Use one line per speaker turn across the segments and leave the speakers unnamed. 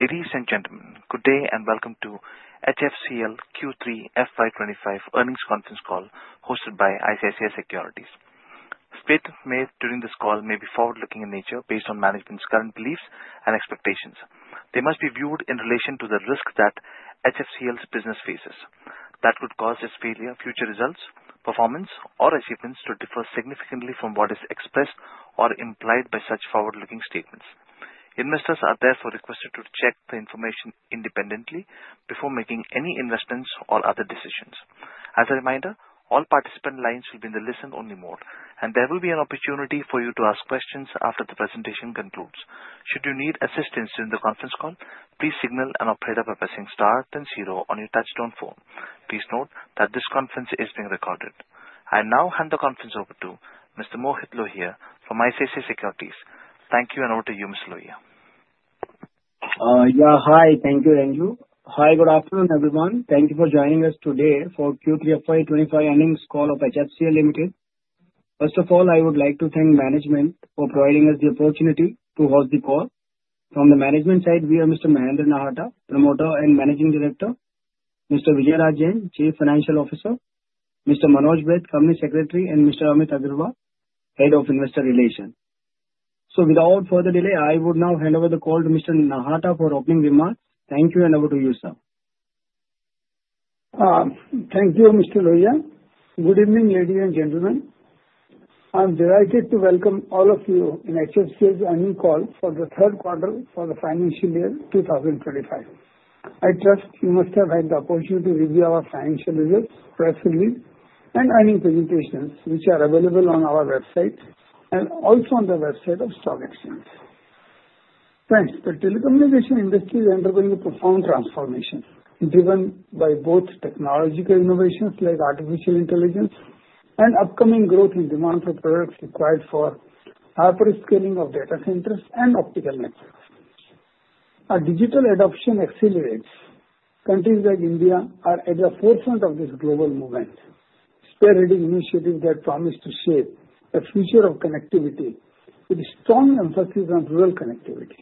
Ladies and gentlemen, good day and welcome to HFCL Q3 FY25 earnings conference call hosted by ICICI Securities. Statements made during this call may be forward-looking in nature based on management's current beliefs and expectations. They must be viewed in relation to the risks that HFCL's business faces. That could cause its actual future results, performance, or achievements to differ significantly from what is expressed or implied by such forward-looking statements. Investors are therefore requested to check the information independently before making any investments or other decisions. As a reminder, all participant lines will be in the listen-only mode, and there will be an opportunity for you to ask questions after the presentation concludes. Should you need assistance during the conference call, please press star and zero on your touchtone phone. Please note that this conference is being recorded. I now hand the conference over to Mr. Mohit Lohia from ICICI Securities. Thank you, and over to you, Mr. Lohia.
Yeah, hi. Thank you, Ranju. Hi, good afternoon, everyone. Thank you for joining us today for Q3 FY25 earnings call of HFCL Limited. First of all, I would like to thank management for providing us the opportunity to host the call. From the management side, we have Mr. Mahendra Nahata, Promoter and Managing Director, Mr. V. R. Jain, Chief Financial Officer, Mr. Manoj Baid, Company Secretary, and Mr. Amit Agarwal, Head of Investor Relations. So without further delay, I would now hand over the call to Mr. Nahata for opening remarks. Thank you, and over to you, sir.
Thank you, Mr. Lohia. Good evening, ladies and gentlemen. I'm delighted to welcome all of you in HFCL's earnings call for the third quarter for the financial year 2025. I trust you must have had the opportunity to review our financial results press release and earnings presentations, which are available on our website and also on the website of Stock Exchange. Friends, the telecommunication industry is undergoing a profound transformation driven by both technological innovations like artificial intelligence and upcoming growth in demand for products required for hyper-scaling of data centers and optical networks. As digital adoption accelerates, countries like India are at the forefront of this global movement. Sovereign-ready initiatives that promise to shape a future of connectivity with strong emphasis on rural connectivity.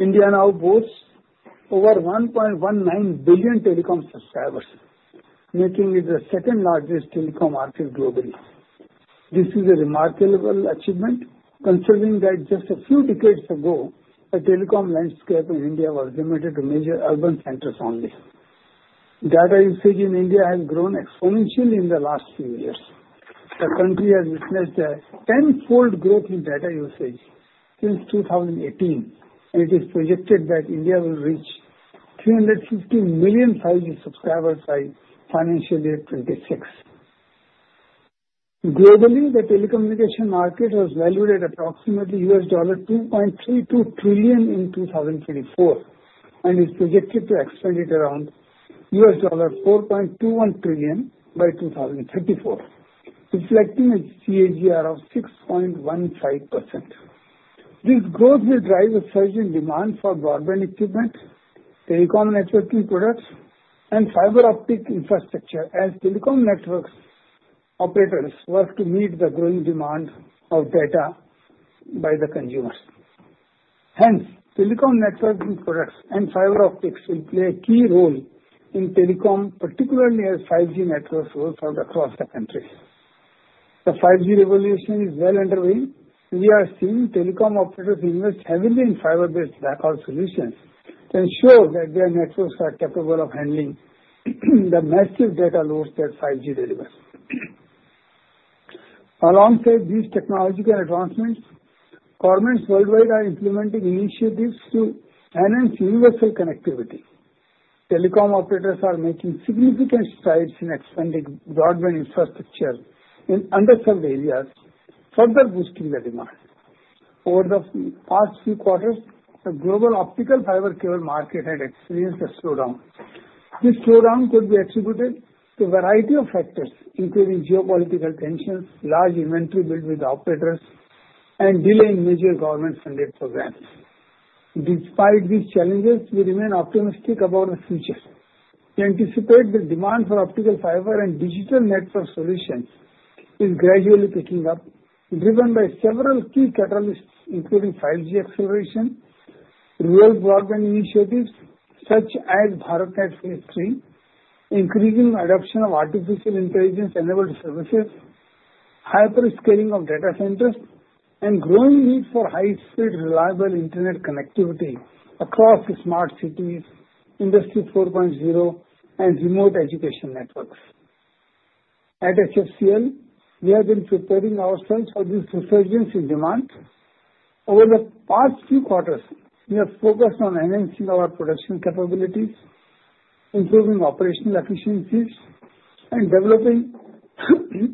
India now boasts over 1.19 billion telecom subscribers, making it the second largest telecom market globally. This is a remarkable achievement, considering that just a few decades ago, the telecom landscape in India was limited to major urban centers only. Data usage in India has grown exponentially in the last few years. The country has witnessed a tenfold growth in data usage since 2018, and it is projected that India will reach 350 million subscribers by financial year 2026. Globally, the telecommunication market has valued at approximately $2.32 trillion in 2024 and is projected to expand it around $4.21 trillion by 2034, reflecting a CAGR of 6.15%. This growth will drive a surge in demand for broadband equipment, telecom networking products, and fiber optic infrastructure as telecom network operators work to meet the growing demand of data by the consumers. Hence, telecom networking products and fiber optics will play a key role in telecom, particularly as 5G networks roll out across the country. The 5G revolution is well underway, and we are seeing telecom operators invest heavily in fiber-based backhaul solutions to ensure that their networks are capable of handling the massive data loads that 5G delivers. Alongside these technological advancements, governments worldwide are implementing initiatives to enhance universal connectivity. Telecom operators are making significant strides in expanding broadband infrastructure in underserved areas, further boosting the demand. Over the past few quarters, the global optical fiber cable market had experienced a slowdown. This slowdown could be attributed to a variety of factors, including geopolitical tensions, large inventory builds with operators, and delay in major government-funded programs. Despite these challenges, we remain optimistic about the future. We anticipate the demand for optical fiber and digital network solutions is gradually picking up, driven by several key catalysts, including 5G acceleration, rural broadband initiatives such as BharatNet Phase 3, increasing adoption of artificial intelligence-enabled services, hyperscaling of data centers, and growing need for high-speed, reliable internet connectivity across smart cities, Industry 4.0, and remote education networks. At HFCL, we have been preparing ourselves for this resurgence in demand. Over the past few quarters, we have focused on enhancing our production capabilities, improving operational efficiencies, and developing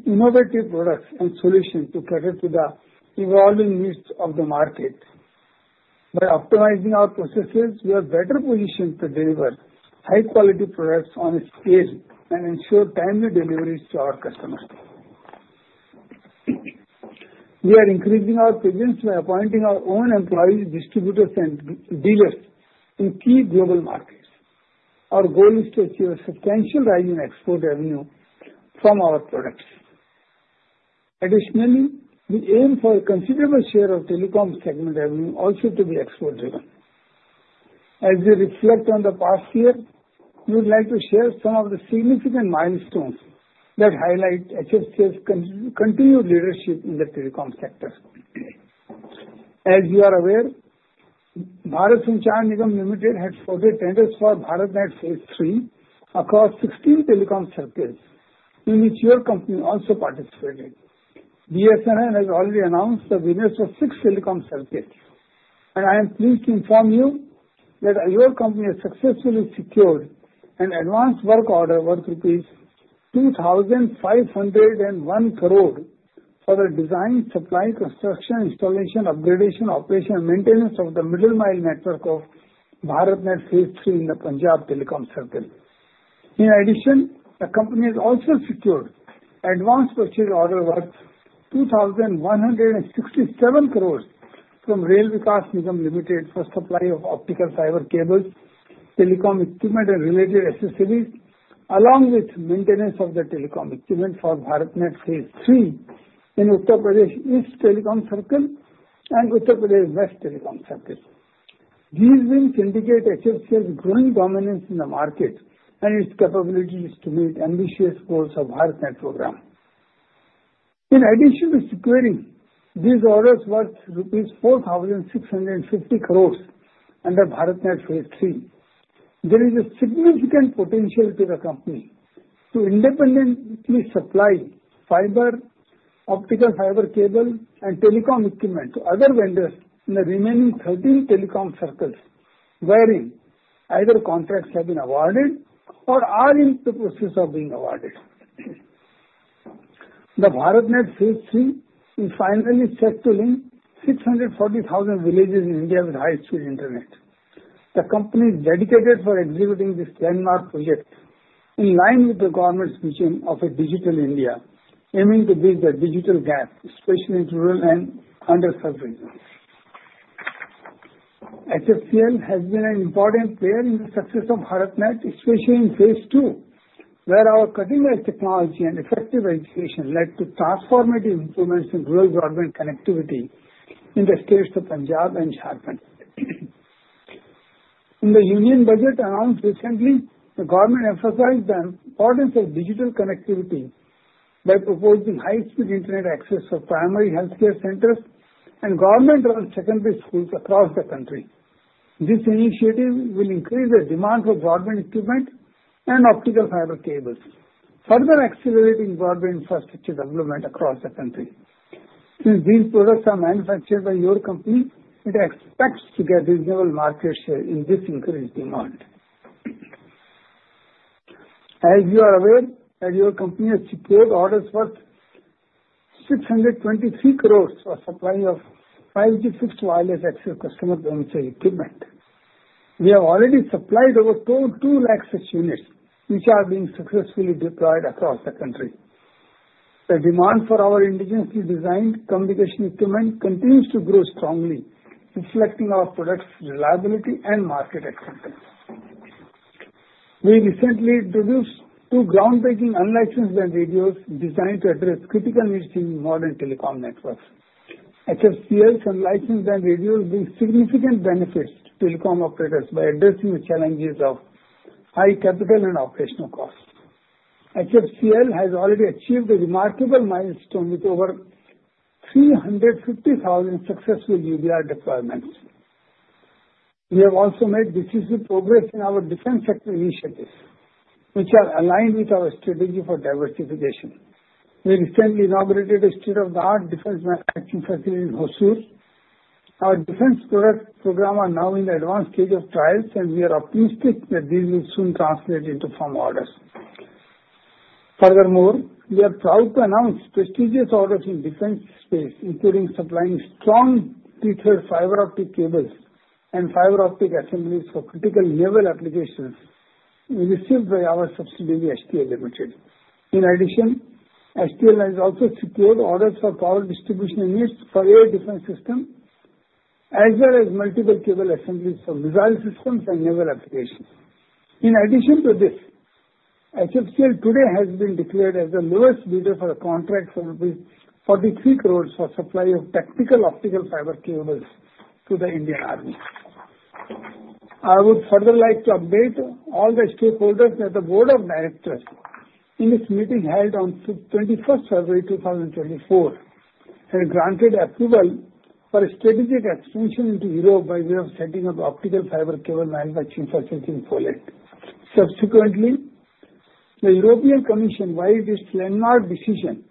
innovative products and solutions to cater to the evolving needs of the market. By optimizing our processes, we are better positioned to deliver high-quality products on a scale and ensure timely deliveries to our customers. We are increasing our presence by appointing our own employees, distributors, and dealers in key global markets. Our goal is to achieve a substantial rise in export revenue from our products. Additionally, we aim for a considerable share of telecom segment revenue also to be export-driven. As we reflect on the past year, we would like to share some of the significant milestones that highlight HFCL's continued leadership in the telecom sector. As you are aware, Bharat Sanchar Nigam Limited had forwarded tenders for BharatNet Phase 3 across 16 telecom circuits, in which your company also participated. BSNL has already announced the winners for six telecom circuits, and I am pleased to inform you that your company has successfully secured an advanced work order worth rupees 2,501 crore for the design, supply, construction, installation, upgradation, operation, and maintenance of the middle-mile network of BharatNet Phase 3 in the Punjab telecom circuit. In addition, the company has also secured advanced purchase order worth ₹2,167 crore from Rail Vikas Nigam Limited for supply of optical fiber cables, telecom equipment, and related accessories, along with maintenance of the telecom equipment for BharatNet Phase 3 in Uttar Pradesh East telecom circuit and Uttar Pradesh West telecom circuit. These wins indicate HFCL's growing dominance in the market and its capabilities to meet ambitious goals of BharatNet program. In addition to securing these orders worth ₹4,650 crore under BharatNet Phase 3, there is a significant potential to the company to independently supply fiber, optical fiber cable, and telecom equipment to other vendors in the remaining 13 telecom circuits wherein either contracts have been awarded or are in the process of being awarded. The BharatNet Phase 3 is finally set to link 640,000 villages in India with high-speed internet. The company is dedicated to executing this landmark project in line with the government's vision of a Digital India, aiming to bridge the digital gap, especially in rural and underserved regions. HFCL has been an important player in the success of BharatNet, especially in Phase 2, where our cutting-edge technology and effective execution led to transformative improvements in rural broadband connectivity in the states of Punjab and Jharkhand. In the Union Budget announced recently, the government emphasized the importance of digital connectivity by proposing high-speed internet access for primary healthcare centers and government-run secondary schools across the country. This initiative will increase the demand for broadband equipment and optical fiber cables, further accelerating broadband infrastructure development across the country. Since these products are manufactured by your company, it expects to get reasonable market share in this increased demand. As you are aware, your company has secured orders worth ₹623 crore for supply of 5G fixed wireless access customer premises equipment. We have already supplied over 2 lakh such units, which are being successfully deployed across the country. The demand for our indigenously designed communication equipment continues to grow strongly, reflecting our product's reliability and market acceptance. We recently introduced two groundbreaking unlicensed radios designed to address critical needs in modern telecom networks. HFCL's unlicensed radios bring significant benefits to telecom operators by addressing the challenges of high capital and operational costs. HFCL has already achieved a remarkable milestone with over 350,000 successful UBR deployments. We have also made decisive progress in our defense sector initiatives, which are aligned with our strategy for diversification. We recently inaugurated a state-of-the-art defense manufacturing facility in Hosur. Our defense product programs are now in the advanced stage of trials, and we are optimistic that these will soon translate into firm orders. Furthermore, we are proud to announce prestigious orders in defense space, including supplying tactical optical fiber cables and fiber optic assemblies for critical naval applications received by our subsidiary, HTL Limited. In addition, HTL Limited has also secured orders for power distribution units for air defense systems, as well as multiple cable assemblies for missile systems and naval applications. In addition to this, HFCL today has been declared as the lowest bidder for a contract for 43 crore for supply of tactical optical fiber cables to the Indian Army. I would further like to update all the stakeholders that the Board of Directors in this meeting held on 21 February 2024 has granted approval for a strategic expansion into Europe by way of setting up optical fiber cable manufacturing facilities in Poland. Subsequently, the European Commission's landmark decision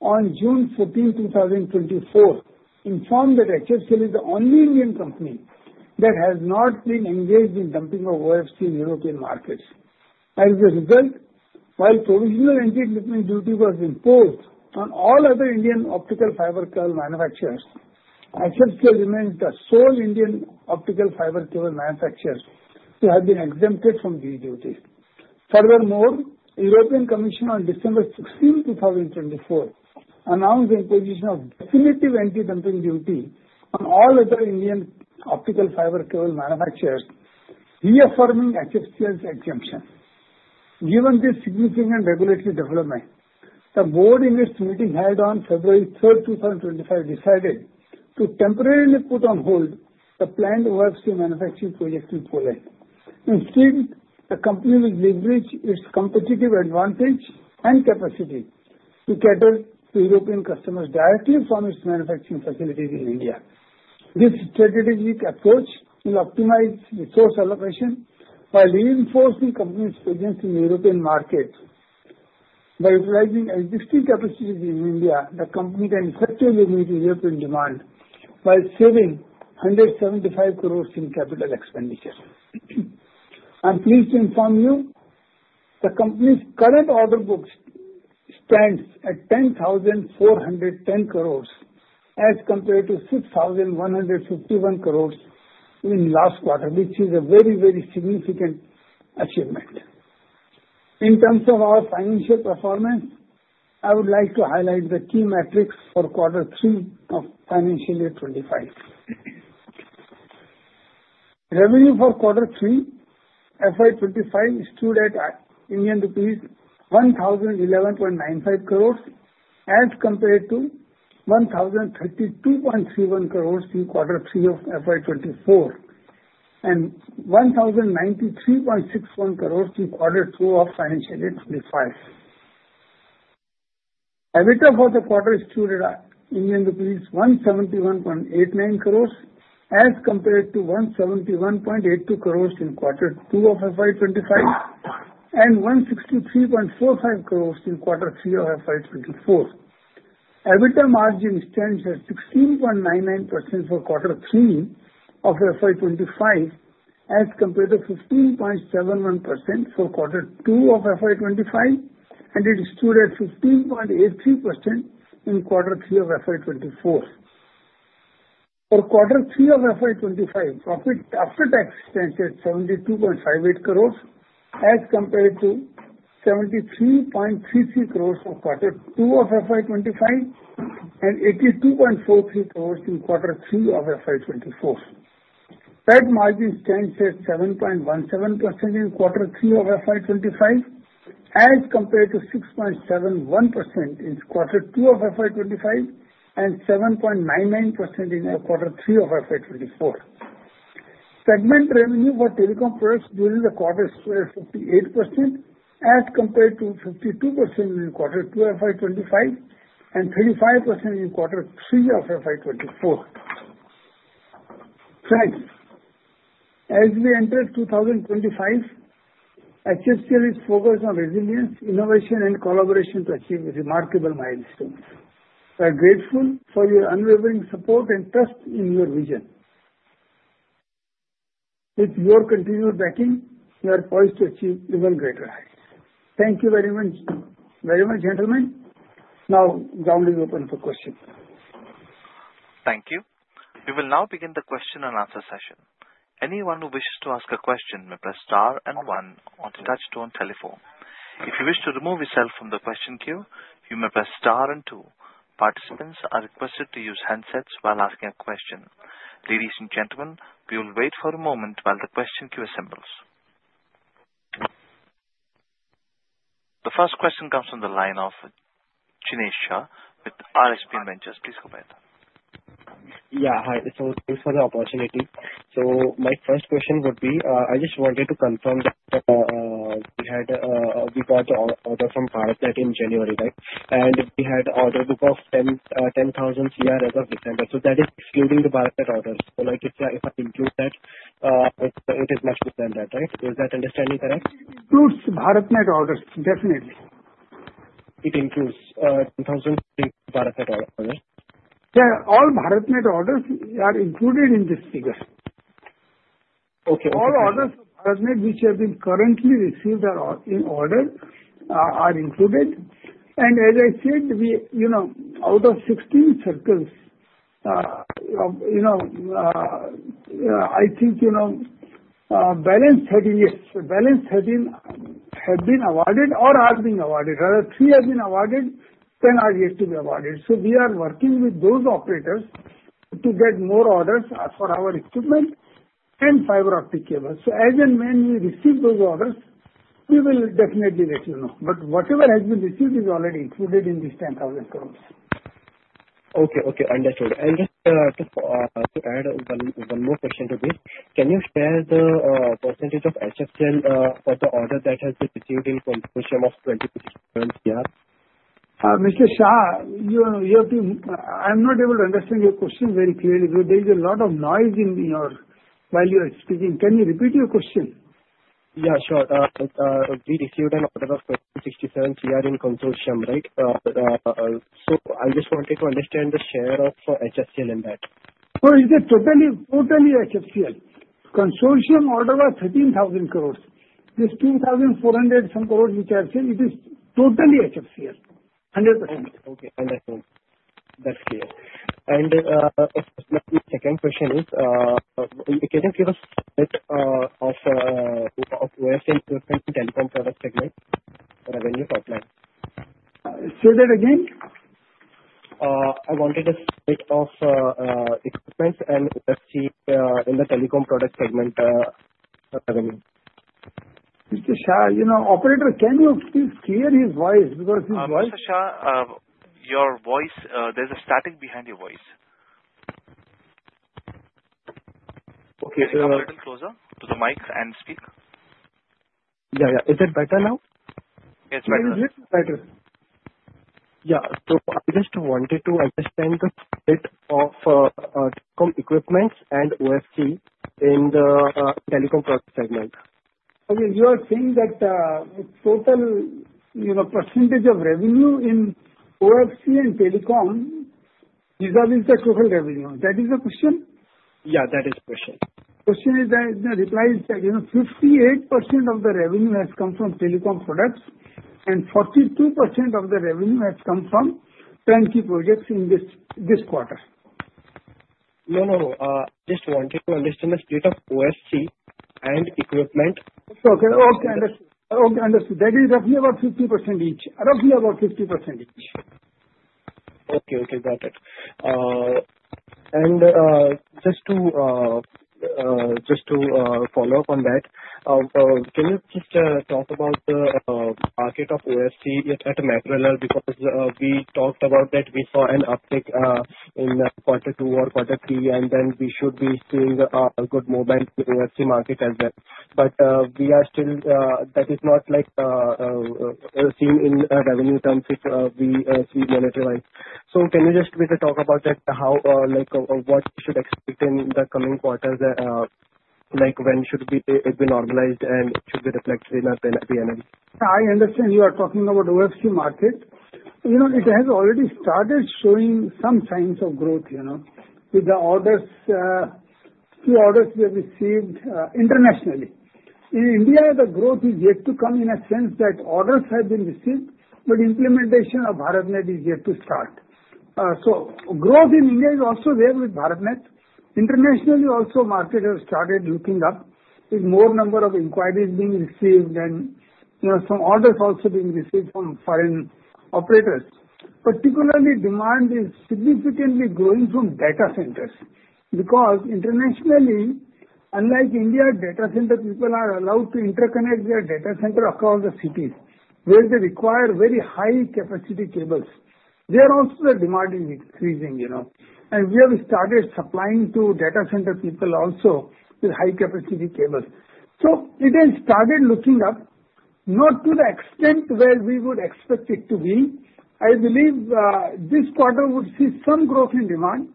on June 14, 2024, informed that HFCL is the only Indian company that has not been engaged in dumping of OFC in European markets. As a result, while provisional anti-dumping duty was imposed on all other Indian optical fiber cable manufacturers, HFCL remains the sole Indian optical fiber cable manufacturer to have been exempted from this duty. Furthermore, the European Commission on December 16, 2024, announced the imposition of a definitive anti-dumping duty on all other Indian optical fiber cable manufacturers, reaffirming HFCL's exemption. Given this significant regulatory development, the Board in its meeting held on February 3, 2025, decided to temporarily put on hold the planned OFC manufacturing project in Poland. Instead, the company will leverage its competitive advantage and capacity to cater to European customers directly from its manufacturing facilities in India. This strategic approach will optimize resource allocation while reinforcing the company's presence in the European market. By utilizing existing capacities in India, the company can effectively meet European demand while saving 175 crore in capital expenditure. I'm pleased to inform you the company's current order book stands at 10,410 crore as compared to 6,151 crore in last quarter, which is a very, very significant achievement. In terms of our financial performance, I would like to highlight the key metrics for Q3 of financial year 2025. Revenue for Q3 FY25 stood at ₹1,011.95 crore as compared to ₹1,032.31 crore in Q3 of FY24 and ₹1,093.61 crore in Q2 of financial year '25. EBITDA of the quarter stood at ₹171.89 crore as compared to ₹171.82 crore in Q2 of FY25 and ₹163.45 crore in Q3 of FY24. EBITDA margin stands at 16.99% for Q3 of FY25 as compared to 15.71% for Q2 of FY25, and it stood at 15.83% in Q3 of FY24. For Q3 of FY25, profit after tax stands at ₹72.58 crore as compared to ₹73.33 crore for Q2 of FY25 and ₹82.43 crore in Q3 of FY24. Net margin stands at 7.17% in Q3 of FY25 as compared to 6.71% in Q2 of FY25 and 7.99% in Q3 of FY24. Segment revenue for telecom products during the quarter stood at 58% as compared to 52% in Q2 of FY25 and 35% in Q3 of FY24. Friends, as we enter 2025, HFCL is focused on resilience, innovation, and collaboration to achieve remarkable milestones. We are grateful for your unwavering support and trust in your vision. With your continued backing, we are poised to achieve even greater heights. Thank you very much, gentlemen. Now, the floor is open for questions.
Thank you. We will now begin the question and answer session. Anyone who wishes to ask a question may press star and one on the touch-tone telephone. If you wish to remove yourself from the question queue, you may press star and two. Participants are requested to use handsets while asking a question. Ladies and gentlemen, we will wait for a moment while the question queue assembles. The first question comes from the line of Ganesha with RSPN Ventures. Please go ahead.
Yeah, hi. So thanks for the opportunity. So my first question would be, I just wanted to confirm that we got the order from BharatNet in January, right? And we had an order book of 10,000 crore as of December. So that is excluding the BharatNet orders. So if I include that, it is much more than that, right? Is that understanding correct? Includes BharatNet orders, definitely. It includes 10,000 crore BharatNet orders.
Yeah, all BharatNet orders are included in this figure. Okay. All orders of BharatNet which have been currently received in order are included. And as I said, out of 16 circles, I think balance 13 have been awarded or are being awarded. Another three have been awarded. 10 are yet to be awarded. So we are working with those operators to get more orders for our equipment and fiber optic cables. So as and when we receive those orders, we will definitely let you know. But whatever has been received is already included in these 10,000 crores. Okay, okay. Understood. And just to add one more question to this, can you share the percentage of HFCL for the order that has been received in the portion of 20,000 crore? Mr. Shah, I'm not able to understand your question very clearly. There is a lot of noise while you are speaking. Can you repeat your question? Yeah, sure. We received an order of 167 crore in consortium, right? So I just wanted to understand the share of HFCL in that. Oh, is it totally HFCL? Consortium order was 13,000 crores. This 2,400 some crores which I have said, it is totally HFCL. 100%.
Okay, understood. That's clear. And my second question is, can you give us a bit of OFC equipment telecom product segment revenue top line?
Say that again.
I wanted a bit of equipment and let's see in the telecom product segment revenue. Mr. Shah, operator, can you please clear his voice because his voice—
Mr. Shah, your voice, there's a static behind your voice. Okay. Can you get a little closer to the mic and speak?
Yeah, yeah. Is it better now?
It's better. It's better.
Yeah. So I just wanted to understand the bit of telecom equipment and OFC in the telecom product segment.
Okay. You are saying that total percentage of revenue in OFC and telecom is the total revenue. That is the question?
Yeah, that is the question.
question is that the reply is that 58% of the revenue has come from telecom products and 42% of the revenue has come from turnkey projects in this quarter. No, no. I just wanted to understand the state of OFC and equipment. Okay, okay. Understood. That is roughly about 50% each. Okay, okay.
Got it. And just to follow up on that, can you just talk about the market of OFC at a macro level because we talked about that we saw an uptick in Q2 or Q3, and then we should be seeing a good movement in the OFC market as well. But we are still—that is not seen in revenue terms if we month-wise. So can you just talk about what you should expect in the coming quarters, when it should be normalized and should be reflected in the P&L?
I understand you are talking about OFC market. It has already started showing some signs of growth with the orders we have received internationally. In India, the growth is yet to come in a sense that orders have been received, but implementation of BharatNet is yet to start. So growth in India is also there with BharatNet. Internationally, also market has started looking up with more number of inquiries being received and some orders also being received from foreign operators. Particularly, demand is significantly growing from data centers because internationally, unlike India data center, people are allowed to interconnect their data center across the cities where they require very high-capacity cables. There also, the demand is increasing. And we have started supplying to data center people also with high-capacity cables. So it has started looking up, not to the extent where we would expect it to be. I believe this quarter would see some growth in demand,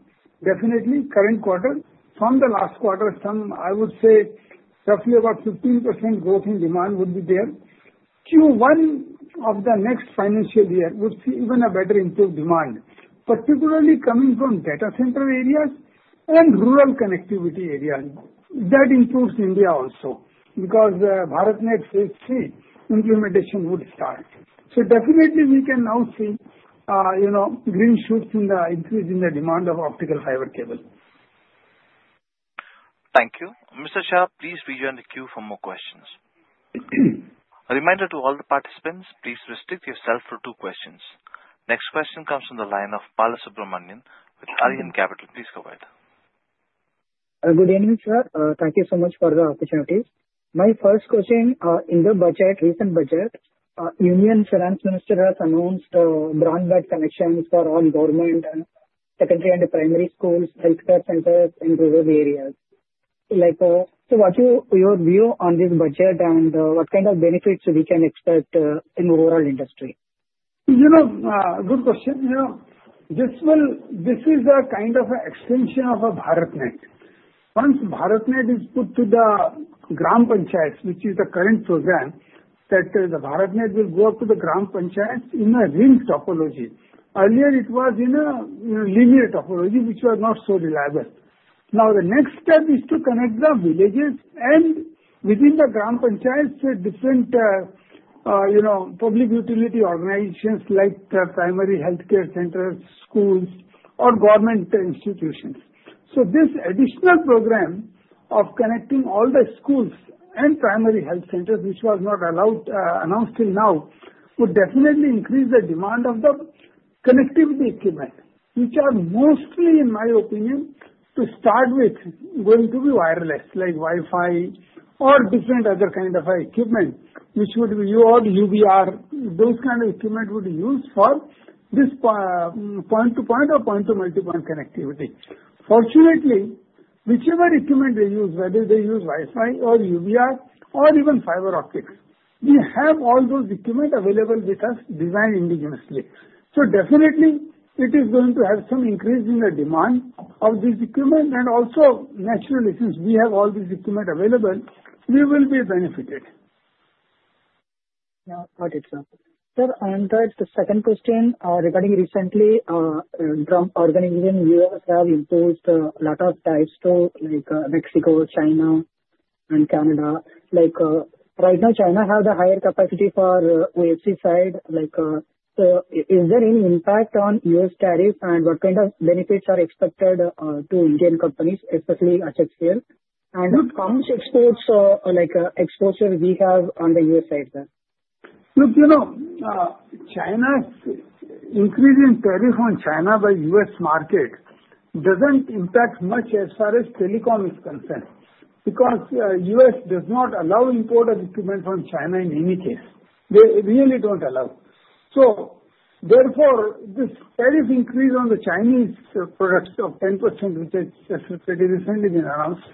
definitely current quarter. From the last quarter, I would say roughly about 15% growth in demand would be there. Q1 of the next financial year would see even a better improved demand, particularly coming from data center areas and rural connectivity areas. That improves India also because BharatNet Phase 3 implementation would start. So definitely, we can now see green shoots in the increase in the demand of optical fiber cable.
Thank you.
Mr. Shah, please rejoin the queue for more questions.
A reminder to all the participants, please restrict yourself to two questions. Next question comes from the line of Balasubramanian with Aryan Capital. Please go ahead. Good evening, sir. Thank you so much for the opportunity.
My first question: In the recent budget, the Union Finance Minister has announced broadband connections for all government and secondary and primary schools, healthcare centers, and rural areas. So what's your view on this budget and what kind of benefits we can expect in the overall industry?
Good question. This is a kind of extension of BharatNet. Once BharatNet is put to the gram panchayats, which is the current program, that the BharatNet will go up to the gram panchayats in a ring topology. Earlier, it was in a linear topology, which was not so reliable. Now, the next step is to connect the villages and within the gram panchayats with different public utility organizations like primary healthcare centers, schools, or government institutions. So this additional program of connecting all the schools and primary health centers, which was not announced till now, would definitely increase the demand of the connectivity equipment, which are mostly, in my opinion, to start with, going to be wireless like Wi-Fi or different other kinds of equipment, which would be UART, UBR, those kinds of equipment would be used for this point-to-point or point-to-multipoint connectivity. Fortunately, whichever equipment they use, whether they use Wi-Fi or UBR or even fiber optics, we have all those equipment available with us designed indigenously. So definitely, it is going to have some increase in the demand of this equipment. And also, naturally, since we have all this equipment available, we will be benefited.
Got it, sir. Sir, and the second question regarding recently, the US have imposed a lot of tariffs on Mexico, China, and Canada. Right now, China has the higher capacity for OFC side. So is there any impact on U.S. tariffs and what kind of benefits are expected to Indian companies, especially HFCL? And how much exposure do we have on the U.S. side, sir?
Look, China's increase in tariffs on China by U.S. market doesn't impact much as far as telecom is concerned because U.S. does not allow import of equipment from China in any case. They really don't allow. So therefore, this tariff increase on the Chinese products of 10%, which has just recently been announced,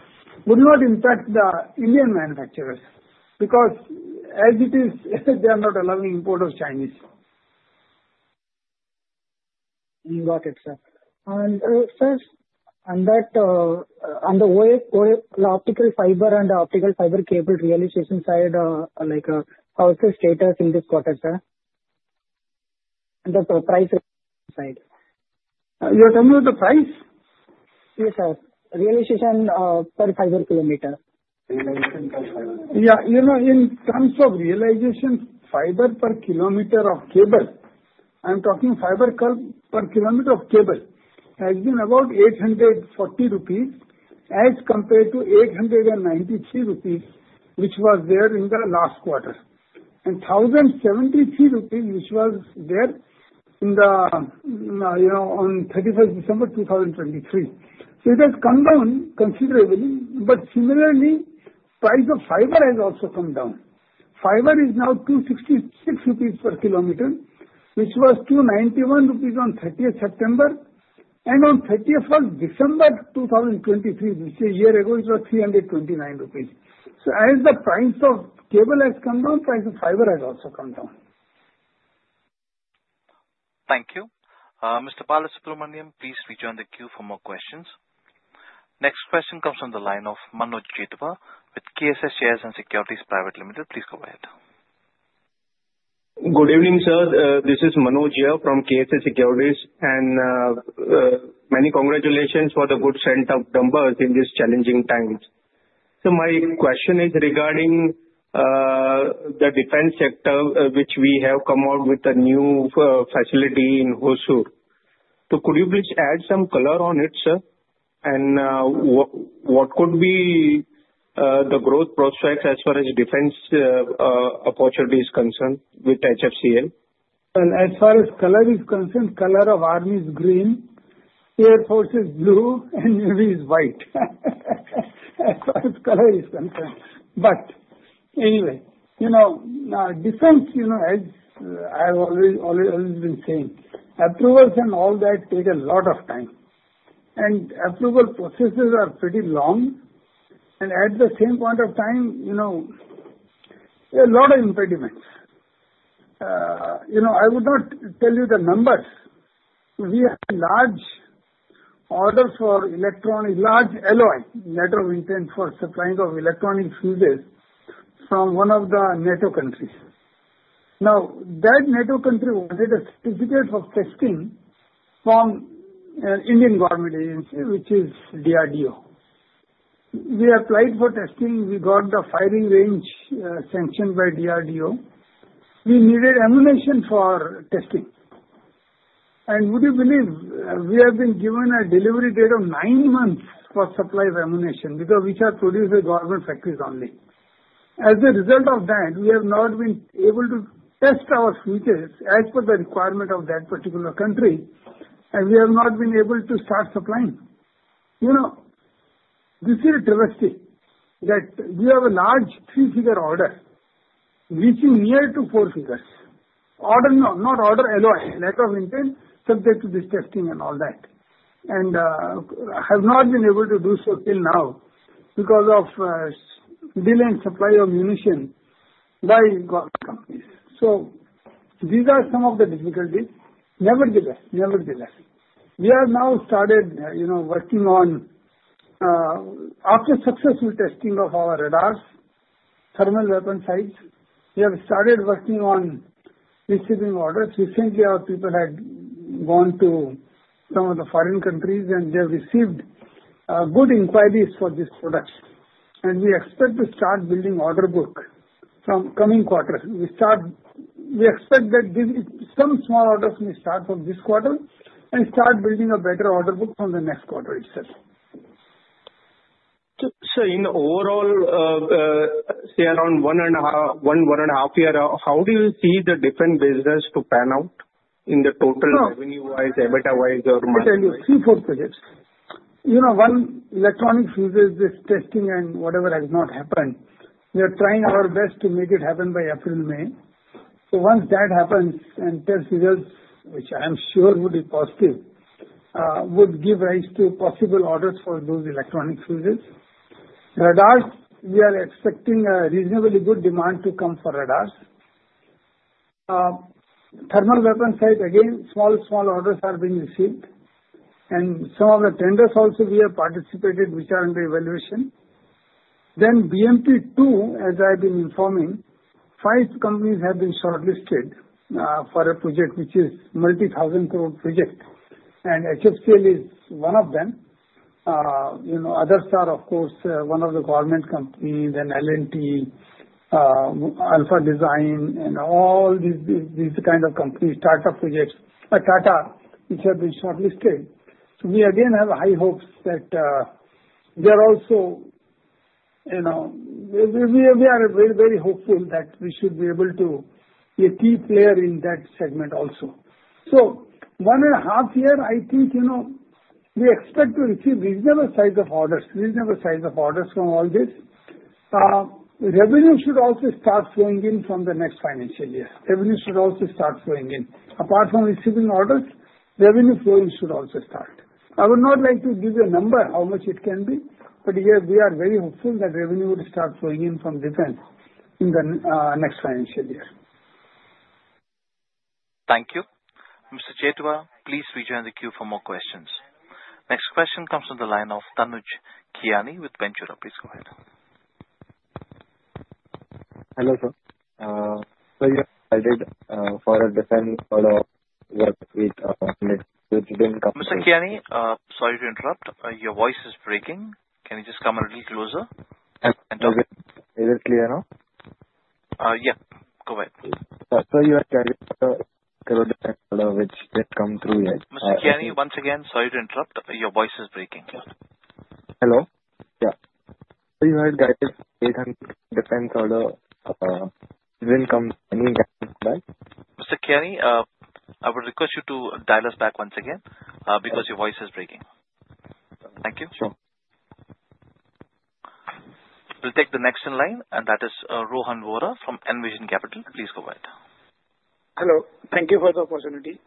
would not impact the Indian manufacturers because as it is, they are not allowing import of Chinese. Got it, sir. And sir, on the optical fiber and optical fiber cable realization side, how is the status in this quarter, sir? And the price side? You're talking about the price? Yes, sir. Realization per fiber kilometer. Realization per fiber. Yeah. In terms of realization per fiber per kilometer of cable, I'm talking fiber per kilometer of cable, has been about 840 rupees as compared to 893 rupees, which was there in the last quarter, and 1,073 rupees, which was there on 31st December 2023. So it has come down considerably. But similarly, price of fiber has also come down. Fiber is now 266 rupees per kilometer, which was 291 rupees on 30th September, and on 31st December 2023, which a year ago, it was 329 rupees. So as the price of cable has come down, price of fiber has also come down.
Thank you. Mr. Balasubramanian, please rejoin the queue for more questions. Next question comes from the line of Manoj Jethwa with KSS Shares and Securities Private Limited. Please go ahead.
Good evening, sir. This is Manoj Jethwa from KSS Securities, and many congratulations for the good sense of numbers in these challenging times, so my question is regarding the defense sector, which we have come out with a new facility in Hosur. Could you please add some color on it, sir? And what could be the growth prospects as far as defense opportunities concerned with HFCL?
Well, as far as color is concerned, color of army is green, air force is blue, and navy is white. As far as color is concerned. But anyway, defense, as I've always been saying, approvals and all that take a lot of time. And approval processes are pretty long. And at the same point of time, a lot of impediments. I would not tell you the numbers. We have a large order for electronics, large alloy, lateral wind fence for supplying of electronic fuses from one of the NATO countries. Now, that NATO country wanted a certificate of testing from an Indian government agency, which is DRDO. We applied for testing. We got the firing range sanctioned by DRDO. We needed ammunition for testing. And would you believe we have been given a delivery date of nine months for supply of ammunition because we shall produce with government factories only. As a result of that, we have not been able to test our fuses as per the requirement of that particular country, and we have not been able to start supplying. This is a travesty that we have a large three-figure order reaching near to four figures. Order alloy, lateral wind fence, subject to this testing and all that. I have not been able to do so till now because of delay in supply of munitions by government companies. So these are some of the difficulties. Nevertheless, we have now started working on, after successful testing of our radars, thermal weapon sights, we have started working on receiving orders. Recently, our people had gone to some of the foreign countries, and they received good inquiries for this product. We expect to start building order book from coming quarter. We expect that some small orders may start from this quarter and start building a better order book from the next quarter itself. So in the overall, say around one and a half year, how do you see the defense business to pan out in the total revenue-wise, EBITDA-wise, or monetary? I'll tell you three or four projects. One, electronic fuses with testing and whatever has not happened. We are trying our best to make it happen by April, May. So once that happens and test results, which I'm sure would be positive, would give rise to possible orders for those electronic fuses. Radars, we are expecting a reasonably good demand to come for radars. Thermal weapon sights, again, small, small orders are being received. And some of the tenders also we have participated, which are under evaluation. Then BMP II, as I've been informing, five companies have been shortlisted for a project, which is multi-thousand crore project. And HFCL is one of them. Others are, of course, one of the government companies, and L&T, Alpha Design, and all these kinds of companies, Tata Projects, which have been shortlisted. So we, again, have high hopes that they are also we are very, very hopeful that we should be able to be a key player in that segment also. So one and a half year, I think we expect to receive reasonable size of orders from all this. Revenue should also start flowing in from the next financial year. Apart from receiving orders, revenue flowing should also start. I would not like to give you a number, how much it can be, but we are very hopeful that revenue would start flowing in from defense in the next financial year.
Thank you. Mr. Jethwa, please rejoin the queue for more questions. Next question comes from the line of Tanuj Kiani with Ventura. Please go ahead.
Hello, sir. So you're invited for a defense follow-up work with BRANDT.
Mr. Kiani, sorry to interrupt. Your voice is breaking. Can you just come a little closer?
Is it clear now?
Yeah. Go ahead.
You had guided for the defense order, which didn't come through yet.
Mr. Kiani, once again, sorry to interrupt. Your voice is breaking. Hello?
Yeah. So you had guided 800 defense order. Didn't come anything back?
Mr. Kiani, I would request you to dial us back once again because your voice is breaking. Thank you.
Sure.
We'll take the next in line, and that is Rohan Vora from Envision Capital. Please go ahead.
Hello. Thank you for the opportunity.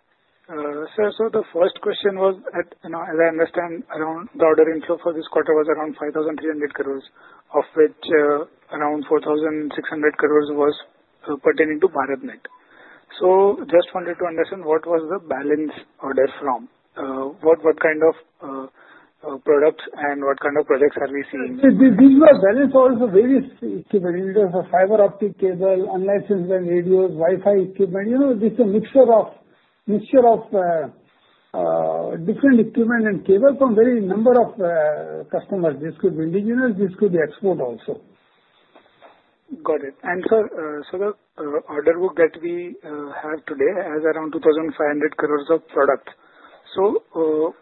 Sir, so the first question was, as I understand, around the order inflow for this quarter was around 5,300 crore, of which around 4,600 crore was pertaining to BharatNet. So just wanted to understand what was the balance order from? What kind of products and what kind of projects are we seeing?
These were balance orders for various equipment, either for fiber optic cable, unlicensed radios, Wi-Fi equipment. It's a mixture of different equipment and cable from a very large number of customers. This could be indigenous. This could be export also.
Got it. And sir, so the order book that we have today has around 2,500 crores of product. So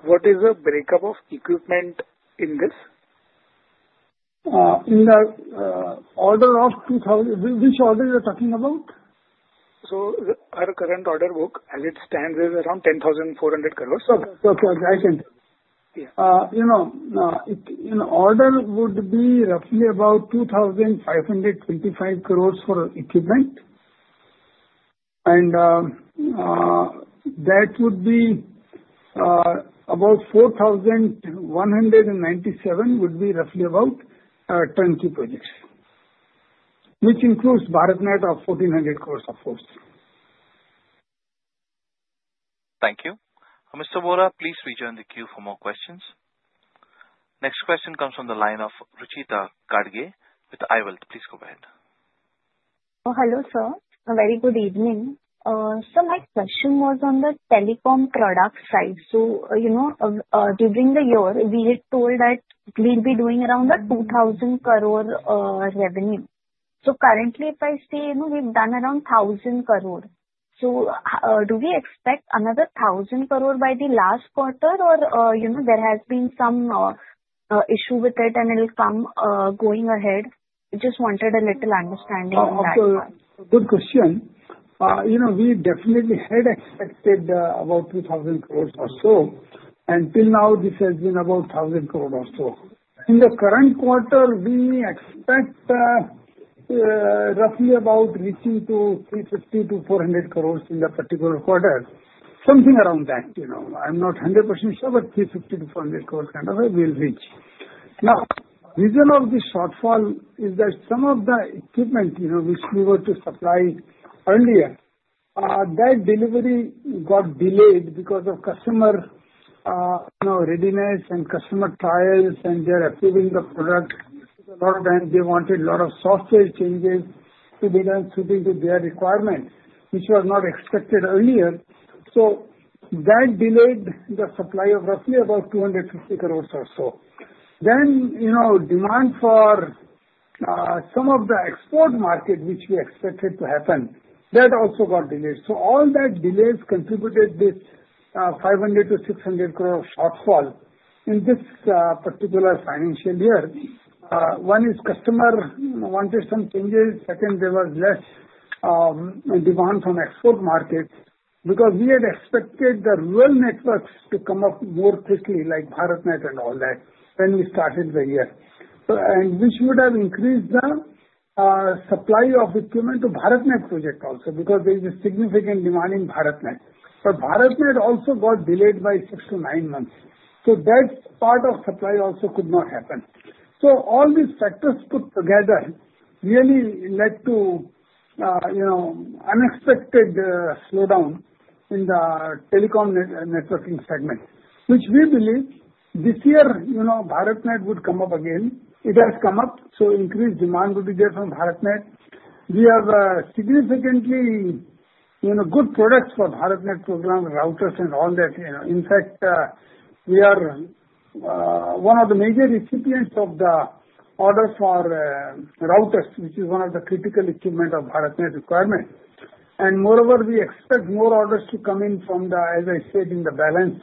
what is the breakup of equipment in this?
In the order of 2,000, which order you're talking about? So our current order book, as it stands, is around 10,400 crores.
Okay. Okay.
I can tell you. In order, it would be roughly about 2,525 crores for equipment. And that would be about 4,197, would be roughly about 20 projects, which includes BharatNet of 1,400 crores, of course.
Thank you. Mr. Vora, please rejoin the queue for more questions. Next question comes from the line of Ruchita Gadge with iWealth. Please go ahead.
Hello, sir. Very good evening. So my question was on the telecom product side. So during the year, we had told that we'd be doing around the 2,000 crore revenue. So currently, if I see, we've done around 1,000 crore. So do we expect another 1,000 crore by the last quarter, or there has been some issue with it, and it'll come going ahead? Just wanted a little understanding on that.
Good question. We definitely had expected about 2,000 crores or so. Until now, this has been about 1,000 crore or so. In the current quarter, we expect roughly about reaching to 350-400 crores in the particular quarter. Something around that. I'm not 100% sure, but 350-400 crores kind of a will reach. Now, reason of this shortfall is that some of the equipment which we were to supply earlier, that delivery got delayed because of customer readiness and customer trials, and they're approving the product. A lot of times, they wanted a lot of software changes to be done suiting to their requirement, which was not expected earlier. So that delayed the supply of roughly about 250 crores or so. Then demand for some of the export market, which we expected to happen, that also got delayed. So all that delays contributed this 500-600 crore shortfall in this particular financial year. One is customer wanted some changes. Second, there was less demand from export markets because we had expected the RAN networks to come up more quickly, like BharatNet and all that, when we started the year, which would have increased the supply of equipment to BharatNet project also because there is a significant demand in BharatNet. But BharatNet also got delayed by six to nine months. So that part of supply also could not happen. So all these factors put together really led to unexpected slowdown in the telecom networking segment, which we believe this year, BharatNet would come up again. It has come up. So increased demand would be there from BharatNet. We have significantly good products for BharatNet program, routers, and all that. In fact, we are one of the major recipients of the order for routers, which is one of the critical equipment of BharatNet requirement. And moreover, we expect more orders to come in from the, as I said, in the balance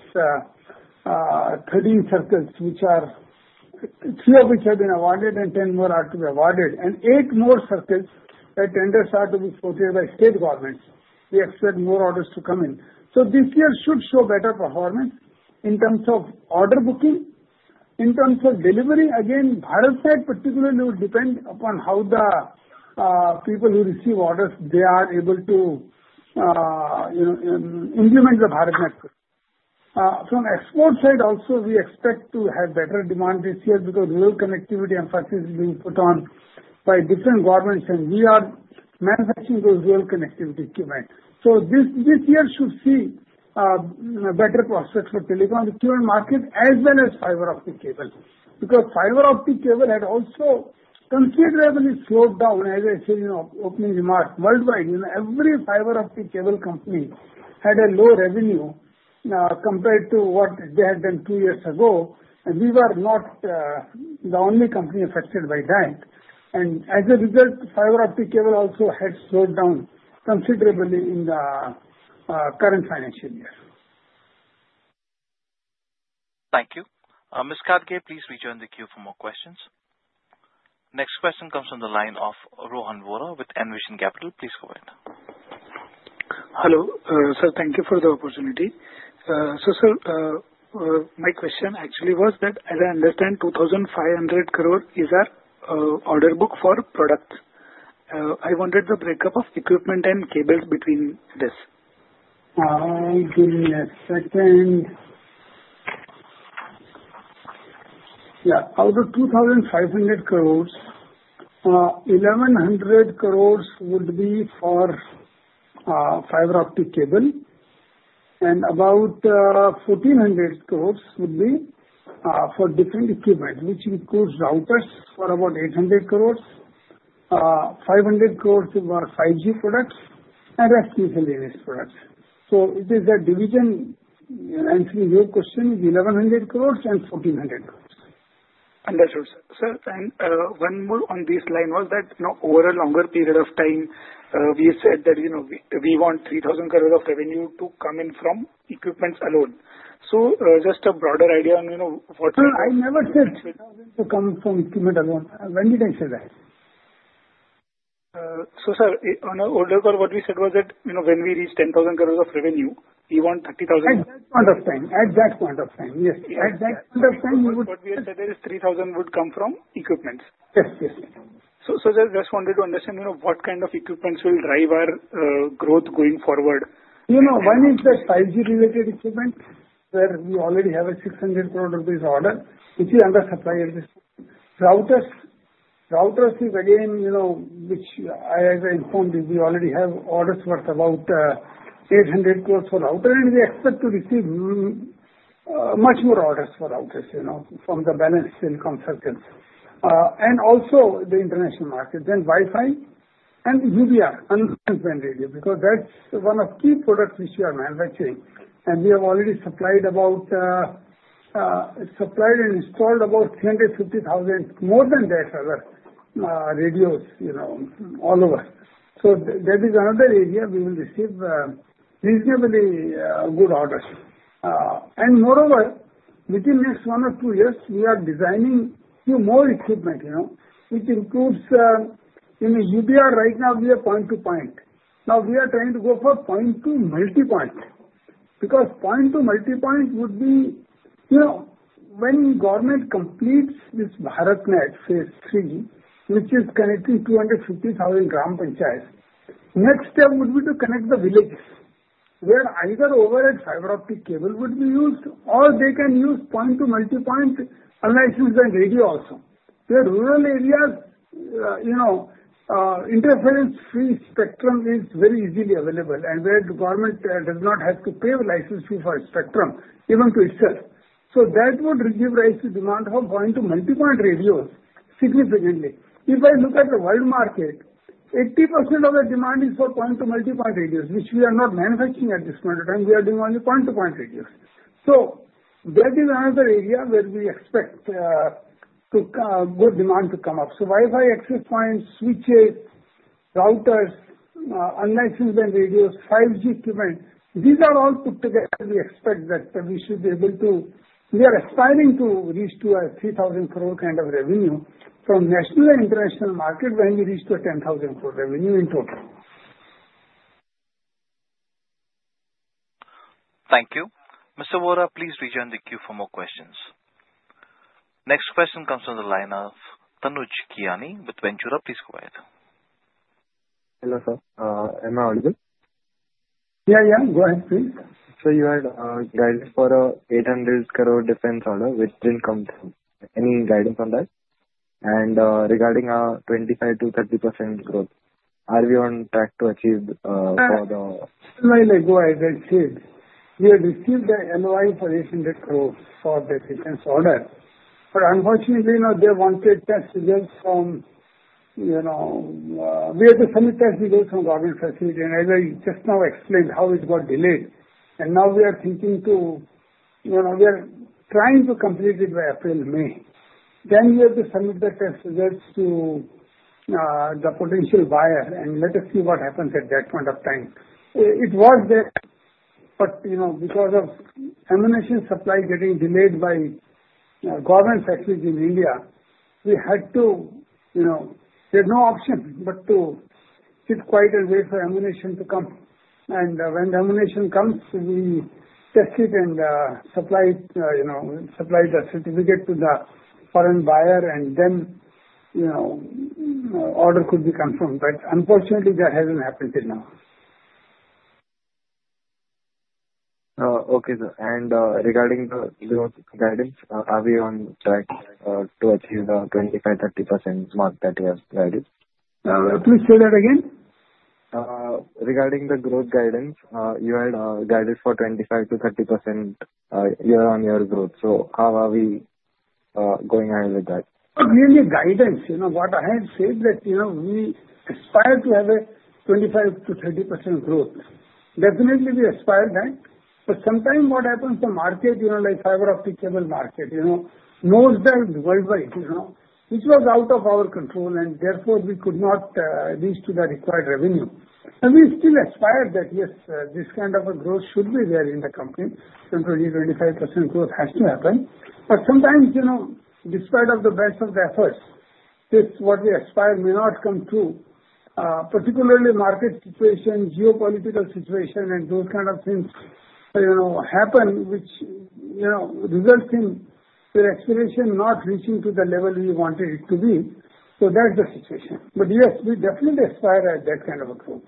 13 circles, which are three of which have been awarded and 10 more are to be awarded, and eight more circles that tenders are to be supported by state governments. We expect more orders to come in. So this year should show better performance in terms of order booking, in terms of delivery. Again, BharatNet particularly will depend upon how the people who receive orders, they are able to implement the BharatNet project. From export side, also, we expect to have better demand this year because rural connectivity emphasis is being put on by different governments, and we are manufacturing those rural connectivity equipment. So this year should see better prospects for telecom equipment market as well as fiber optic cable because fiber optic cable had also considerably slowed down, as I said in the opening remark, worldwide. Every fiber optic cable company had lower revenue compared to what they had done two years ago. And we were not the only company affected by that. And as a result, fiber optic cable also had slowed down considerably in the current financial year.
Thank you. Mr. Gadge, please rejoin the queue for more questions. Next question comes from the line of Rohan Vora with Envision Capital. Please go ahead.
Hello. Sir, thank you for the opportunity. So sir, my question actually was that, as I understand, 2,500 crore is our order book for products. I wanted the breakup of equipment and cables between this.
Give me a second. Yeah. Out of 2,500 crores, 1,100 crores would be for fiber optic cable, and about 1,400 crores would be for different equipment, which includes routers for about 800 crores, 500 crores for 5G products, and rest is a various product. So it is a division. Answering your question is 1,100 crores and 1,400 crores.
Understood, sir. Sir, and one more on this line was that over a longer period of time, we said that we want 3,000 crores of revenue to come in from equipments alone. So just a broader idea on what we—
I never said 3,000 to come from equipment alone. When did I say that?
So sir, on our order call, what we said was that when we reach 10,000 crores of revenue, we want 30,000— At that point of time. At that point of time. Yes. At that point of time, what we had said is 3,000 would come from equipments.
Yes. Yes.
So sir, I just wanted to understand what kind of equipments will drive our growth going forward.
One is the 5G-related equipment, where we already have a 600 crore order, which is under supply at this time. Routers is, again, which, as I informed you, we already have orders worth about 800 crores for routers, and we expect to receive much more orders for routers from the balance telecom circuits. And also the international market, then Wi-Fi and UBR, unlicensed band radios, because that's one of the key products which we are manufacturing. We have already supplied and installed about 350,000, more than that, rather, radios all over. So that is another area we will receive reasonably good orders. Moreover, within the next one or two years, we are designing a few more equipment, which includes in the UBR right now, we are point-to-point. Now, we are trying to go for point-to-multipoint because point-to-multipoint would be when government completes this BharatNet Phase 3, which is connecting 250,000 gram panchayats. Next step would be to connect the villages, where either overhead fiber optic cable would be used, or they can use point-to-multipoint, unlicensed band radio also. Where rural areas, interference-free spectrum is very easily available, and where the government does not have to pay a license fee for a spectrum, even to itself. So that would give rise to demand for point-to-multipoint radios significantly. If I look at the world market, 80% of the demand is for point-to-multipoint radios, which we are not manufacturing at this point in time. We are doing only point-to-point radios. So that is another area where we expect good demand to come up. So Wi-Fi access points, switches, routers, unlicensed band radios, 5G equipment, these are all put together. We expect that we should be able to - we are aspiring to reach to a 3,000 crore kind of revenue from national and international market when we reach to a 10,000 crore revenue in total.
Thank you. Mr. Vora, please rejoin the queue for more questions. Next question comes from the line of Tanuj Kiani with Ventura. Please go ahead.
Hello, sir. Am I audible? Yeah. Yeah. Go ahead, please. So you had guided for a 800 crore defense order, which didn't come to, any guidance on that? And regarding our 25%-30% growth, are we on track to achieve for the. Well, go ahead. We had received the LOI for INR 800 crores for the defense order. But unfortunately, they wanted test results from, we had to submit test results from government facility. And as I just now explained how it got delayed. And now we are thinking to, we are trying to complete it by April, May. Then we have to submit the test results to the potential buyer, and let us see what happens at that point of time. It was there. But because of ammunition supply getting delayed by government facilities in India, we had to—we had no option but to sit quiet and wait for ammunition to come. And when the ammunition comes, we test it and supply the certificate to the foreign buyer, and then order could be confirmed. But unfortunately, that hasn't happened till now. Okay. And regarding the growth guidance, are we on track to achieve the 25%-30% mark that you have guided?
Please say that again.
Regarding the growth guidance, you had guided for 25%-30% year-on-year growth. So how are we going ahead with that?
Really, guidance. What I had said that we aspire to have a 25%-30% growth. Definitely, we aspire that. but sometimes what happens, the market, like fiber optic cable market, no, that's worldwide, which was out of our control, and therefore we could not reach to the required revenue. and we still aspire that, yes, this kind of a growth should be there in the company. so 20%-25% growth has to happen. but sometimes, despite the best of the efforts, what we aspire may not come true, particularly market situation, geopolitical situation, and those kind of things happen, which results in the aspiration not reaching to the level we wanted it to be. so that's the situation. but yes, we definitely aspire at that kind of a growth.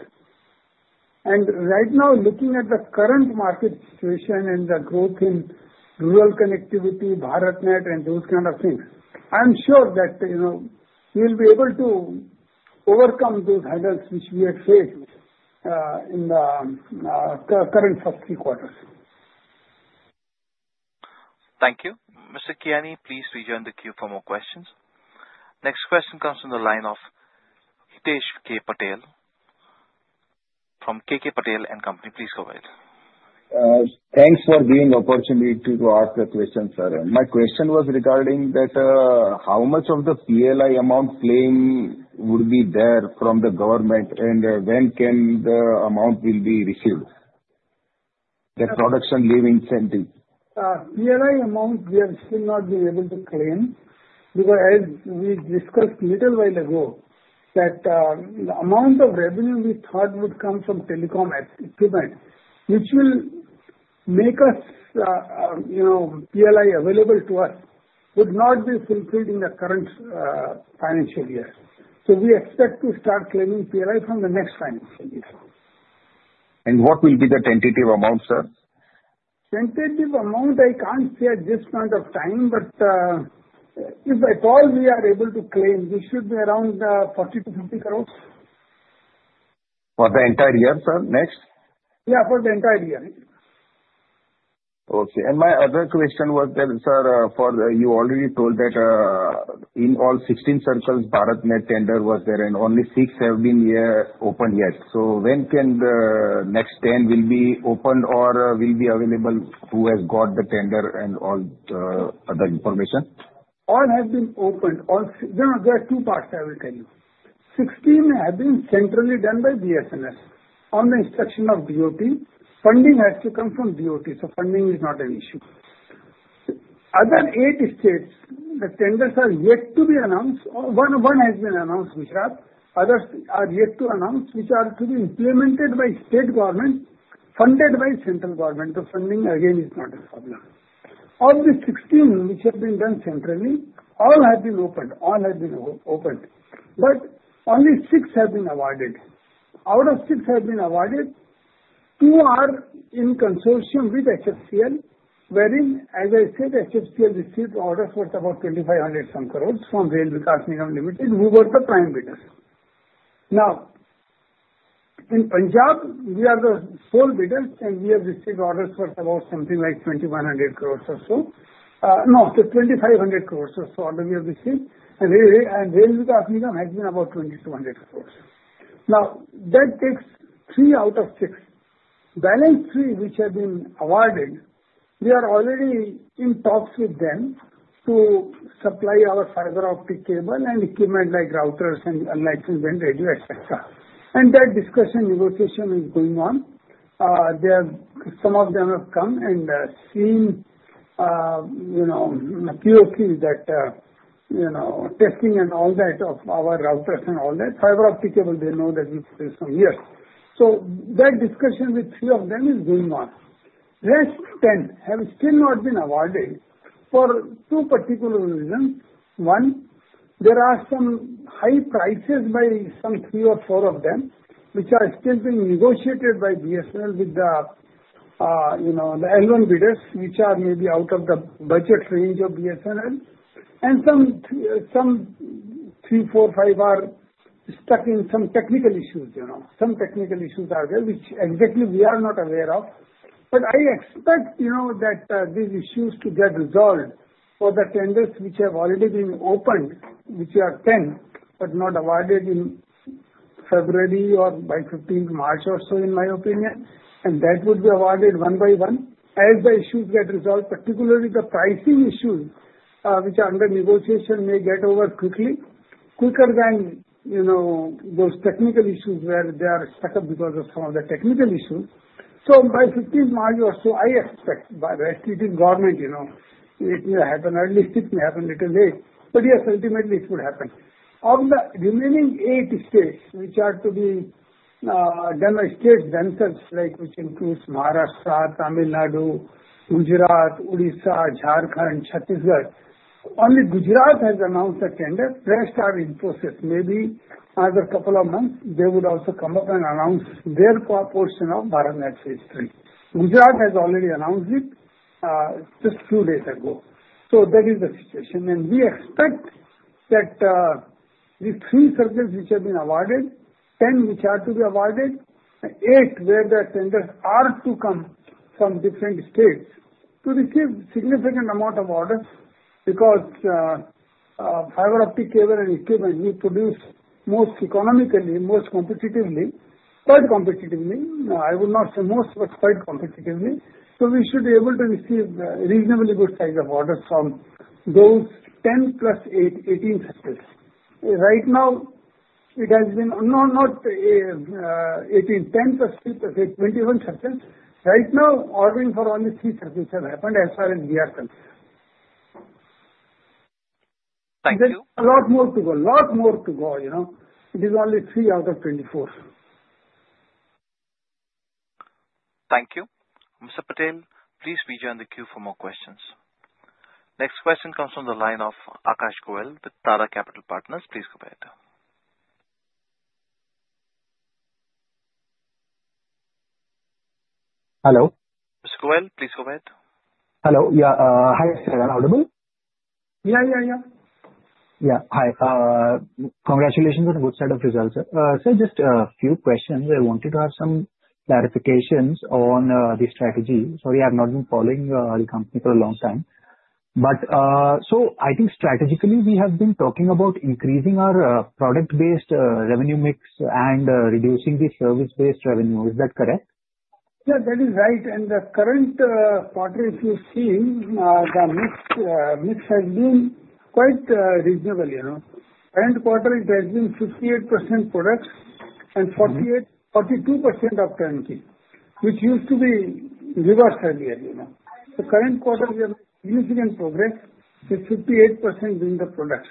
And right now, looking at the current market situation and the growth in rural connectivity, BharatNet, and those kind of things, I'm sure that we'll be able to overcome those hurdles which we had faced in the current first three quarters.
Thank you. Mr. Kiani, please rejoin the queue for more questions. Next question comes from the line of Hitesh K. Patel from K Patel & Company. Please go ahead.
Thanks for giving the opportunity to ask a question, sir. My question was regarding that how much of the PLI amount claim would be there from the government, and when can the amount be received? The production linked incentive.
PLI amount, we are still not able to claim because as we discussed a little while ago, that the amount of revenue we thought would come from telecom equipment, which will make us PLI available to us, would not be fulfilled in the current financial year. So we expect to start claiming PLI from the next financial year. And what will be the tentative amount, sir? Tentative amount, I can't say at this point of time. But if at all we are able to claim, we should be around 40-50 crore.
For the entire year, sir? Next?
Yeah, for the entire year.
Okay. And my other question was that, sir, you already told that in all 16 circles, BharatNet tender was there, and only 6 have been opened yet. So when can the next 10 will be opened or will be available? Who has got the tender and all the information?
All have been opened. There are two parts I will tell you. 16 have been centrally done by BSNL on the instruction of DOT. Funding has to come from DOT. So funding is not an issue. Other 8 states, the tenders are yet to be announced. One has been announced, Gujarat. Others are yet to be announced, which are to be implemented by state government, funded by central government. The funding, again, is not a problem. Of the 16, which have been done centrally, all have been opened. But only 6 have been awarded. Out of 6 have been awarded, 2 are in consortium with HFCL, wherein, as I said, HFCL received orders worth about 2,500 some crores from Rail Vikas Nigam Limited, who were the prime bidders. Now, in Punjab, we are the sole bidders, and we have received orders worth about something like 2,100 crore or so. No, 2,500 crore or so that we have received. And Rail Vikas Nigam has been about 2,200 crore. Now, that takes 3 out of 6. Balance 3, which have been awarded, we are already in talks with them to supply our fiber optic cable and equipment like routers and unlicensed band radio, etc. And that discussion negotiation is going on. Some of them have come and seen the POCs that testing and all that of our routers and all that. Fiber optic cable, they know that we produce from years. So that discussion with 3 of them is going on. The rest 10 have still not been awarded for two particular reasons. One, there are some high prices by some three or four of them, which are still being negotiated by BSNL with the L1 bidders, which are maybe out of the budget range of BSNL. Some three, four, five are stuck in some technical issues. Some technical issues are there, which exactly we are not aware of. I expect that these issues to get resolved for the tenders which have already been opened, which are 10, but not awarded in February or by 15th March or so, in my opinion. That would be awarded one by one as the issues get resolved, particularly the pricing issues, which are under negotiation, may get over quickly, quicker than those technical issues where they are stuck up because of some of the technical issues. By 15th March or so, I expect by the rest leaving government, it may happen. At least it may happen a little late. But yes, ultimately, it will happen. Of the remaining eight states, which are to be done by states themselves, which includes Maharashtra, Tamil Nadu, Gujarat, Odisha, Jharkhand, Chhattisgarh, only Gujarat has announced a tender. The rest are in process. Maybe another couple of months, they would also come up and announce their portion of BharatNet Phase 3. Gujarat has already announced it just a few days ago. So that is the situation. And we expect that the three circles, which have been awarded, 10 which are to be awarded, eight where the tenders are to come from different states to receive significant amount of orders because fiber optic cable and equipment we produce most economically, most competitively, quite competitively. I would not say most, but quite competitively. So we should be able to receive a reasonably good size of orders from those 10 plus 8, 18 circles. Right now, it has been not 18, 10 plus 8 plus 8, 21 circles. Right now, ordering for only 3 circles have happened as far as we are concerned. There's a lot more to go. A lot more to go. It is only 3 out of 24.
Thank you. Mr. Patel, please rejoin the queue for more questions. Next question comes from the line of Akash Goel with Tara Capital Partners. Please go ahead.
Hello.
Mr. Goel, please go ahead.
Hello. Yeah. Hi. Is everyone audible?
Yeah. Yeah. Yeah. Yeah.
Hi. Congratulations on a good set of results. Sir, just a few questions. I wanted to have some clarifications on the strategy. Sorry, I have not been following the company for a long time. I think strategically, we have been talking about increasing our product-based revenue mix and reducing the service-based revenue. Is that correct?
Yeah. That is right. The current quarter, if you see, the mix has been quite reasonable. Current quarter, it has been 58% products and 42% of turnkey, which used to be reversed earlier. The current quarter, we have made significant progress with 58% being the products.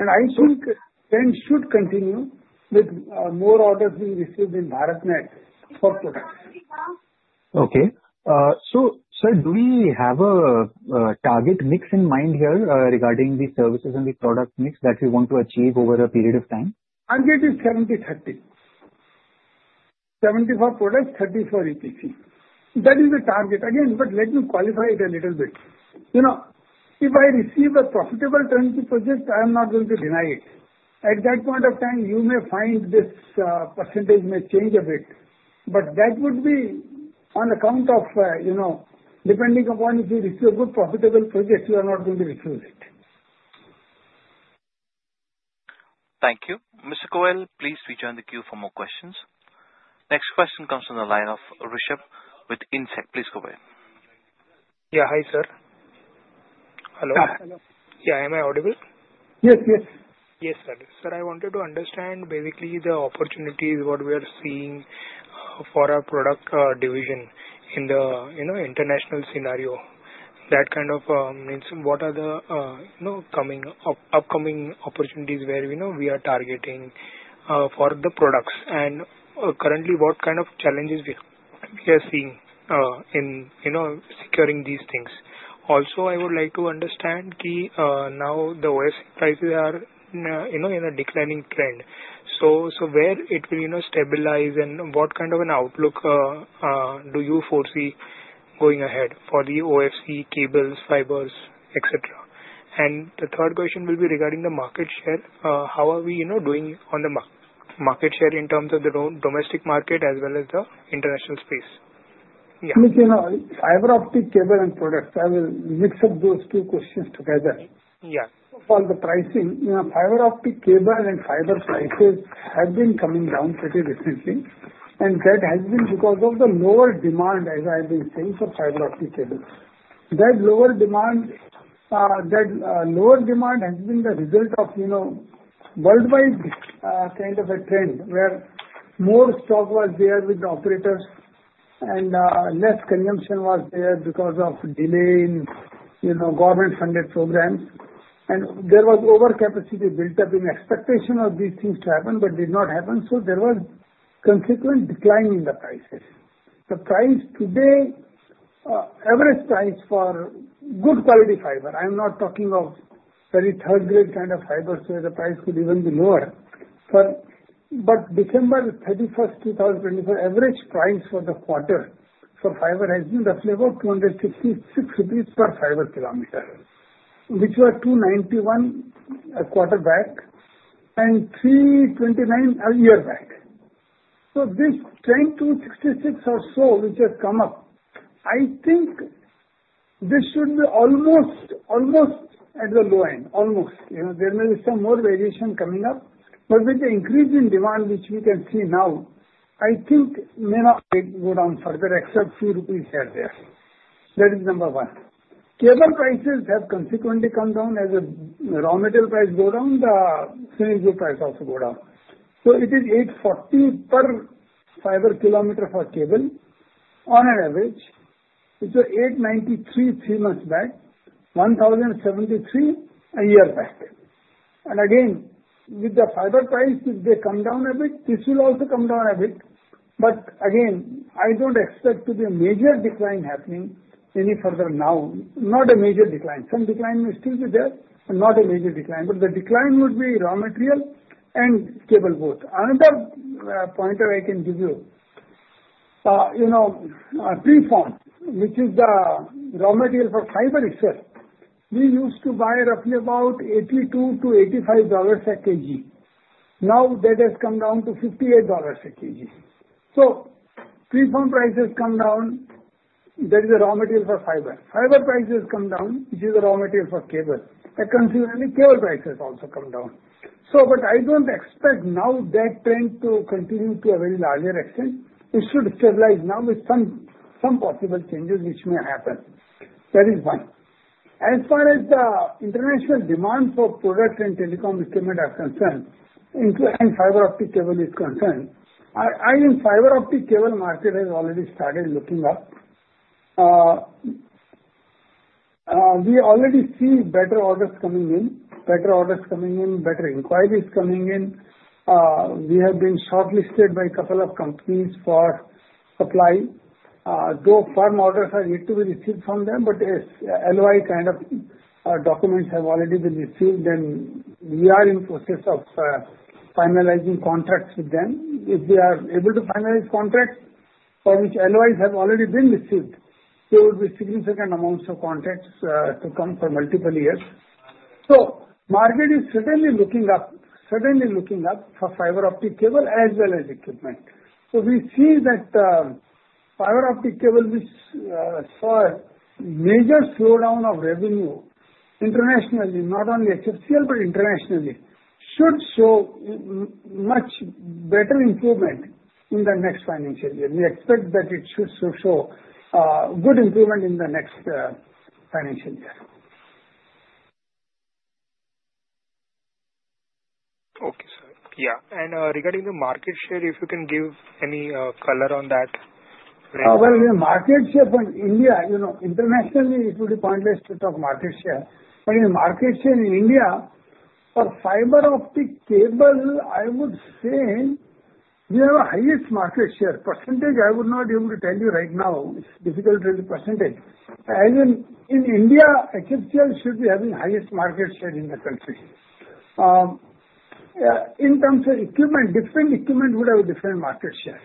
I think trend should continue with more orders being received in BharatNet for products.
Okay. Sir, do we have a target mix in mind here regarding the services and the product mix that we want to achieve over a period of time?
Target is 70/30. 70 for products, 30 for EPC. That is the target. Again, let me qualify it a little bit. If I receive a profitable turnkey project, I am not going to deny it. At that point of time, you may find this percentage may change a bit. But that would be on account of depending upon if you receive a good profitable project, you are not going to refuse it.
Thank you. Mr. Goel, please rejoin the queue for more questions. Next question comes from the line of Rishab with IndSec. Please go ahead.
Yeah. Hi, sir. Hello. Yeah. Hello. Yeah. Am I audible?
Yes. Yes.
Yes, sir. Sir, I wanted to understand basically the opportunities, what we are seeing for our product division in the international scenario. That kind of means what are the upcoming opportunities where we are targeting for the products? And currently, what kind of challenges we are seeing in securing these things? Also, I would like to understand now the OFC prices are in a declining trend. So where it will stabilize and what kind of an outlook do you foresee going ahead for the OFC cables, fibers, etc.? And the third question will be regarding the market share. How are we doing on the market share in terms of the domestic market as well as the international space? Yeah.
Fiber optic cable and products. I will mix up those two questions together. Yeah. For the pricing, fiber optic cable and fiber prices have been coming down pretty recently. And that has been because of the lower demand, as I have been saying, for fiber optic cables. That lower demand has been the result of worldwide kind of a trend where more stock was there with the operators and less consumption was there because of delay in government-funded programs. And there was overcapacity built up in expectation of these things to happen, but did not happen. There was a consequent decline in the prices. The price today, average price for good quality fiber, I'm not talking of very third-grade kind of fiber, so the price could even be lower. But December 31st, 2024, average price for the quarter for fiber has been roughly about 266 per fiber kilometer, which was 291 a quarter back and 329 a year back. This trend to 66 or so, which has come up, I think this should be almost at the low end. Almost. There may be some more variation coming up. But with the increase in demand, which we can see now, I think may not go down further, except a few rupees here and there. That is number one. Cable prices have consequently come down as the raw metal price goes down, the copper price also goes down. It is 840 per fiber kilometer for cable on an average, which was 893 three months back, 1073 a year back. And again, with the fiber prices, if they come down a bit, this will also come down a bit. But again, I don't expect to be a major decline happening any further now. Not a major decline. Some decline may still be there, but not a major decline. But the decline would be raw material and cable both. Another point I can give you, preform, which is the raw material for fiber itself, we used to buy roughly about $82-$85 a kg. Now that has come down to $58 a kg. So preform prices come down. That is the raw material for fiber. Fiber prices come down, which is the raw material for cable. And consequently, cable prices also come down. But I don't expect now that trend to continue to a very larger extent. It should stabilize now with some possible changes which may happen. That is one. As far as the international demand for product and telecom equipment are concerned, including fiber optic cable is concerned, I think fiber optic cable market has already started looking up. We already see better orders coming in, better orders coming in, better inquiries coming in. We have been shortlisted by a couple of companies for supply. Though firm orders are yet to be received from them, but yes, LOI kind of documents have already been received, and we are in process of finalizing contracts with them. If they are able to finalize contracts for which LOIs have already been received, there would be significant amounts of contracts to come for multiple years. So, market is certainly looking up, certainly looking up for fiber optic cable as well as equipment. We see that fiber optic cable, which saw a major slowdown of revenue internationally, not only HFCL, but internationally, should show much better improvement in the next financial year. We expect that it should show good improvement in the next financial year.
Okay, sir. Yeah, and regarding the market share, if you can give any color on that.
Well, the market share for India, internationally, it would be pointless to talk market share. But in market share in India, for fiber optic cable, I would say we have a highest market share. Percentage, I would not be able to tell you right now. It's difficult to tell the percentage. As in India, HFCL should be having the highest market share in the country. In terms of equipment, different equipment would have a different market share.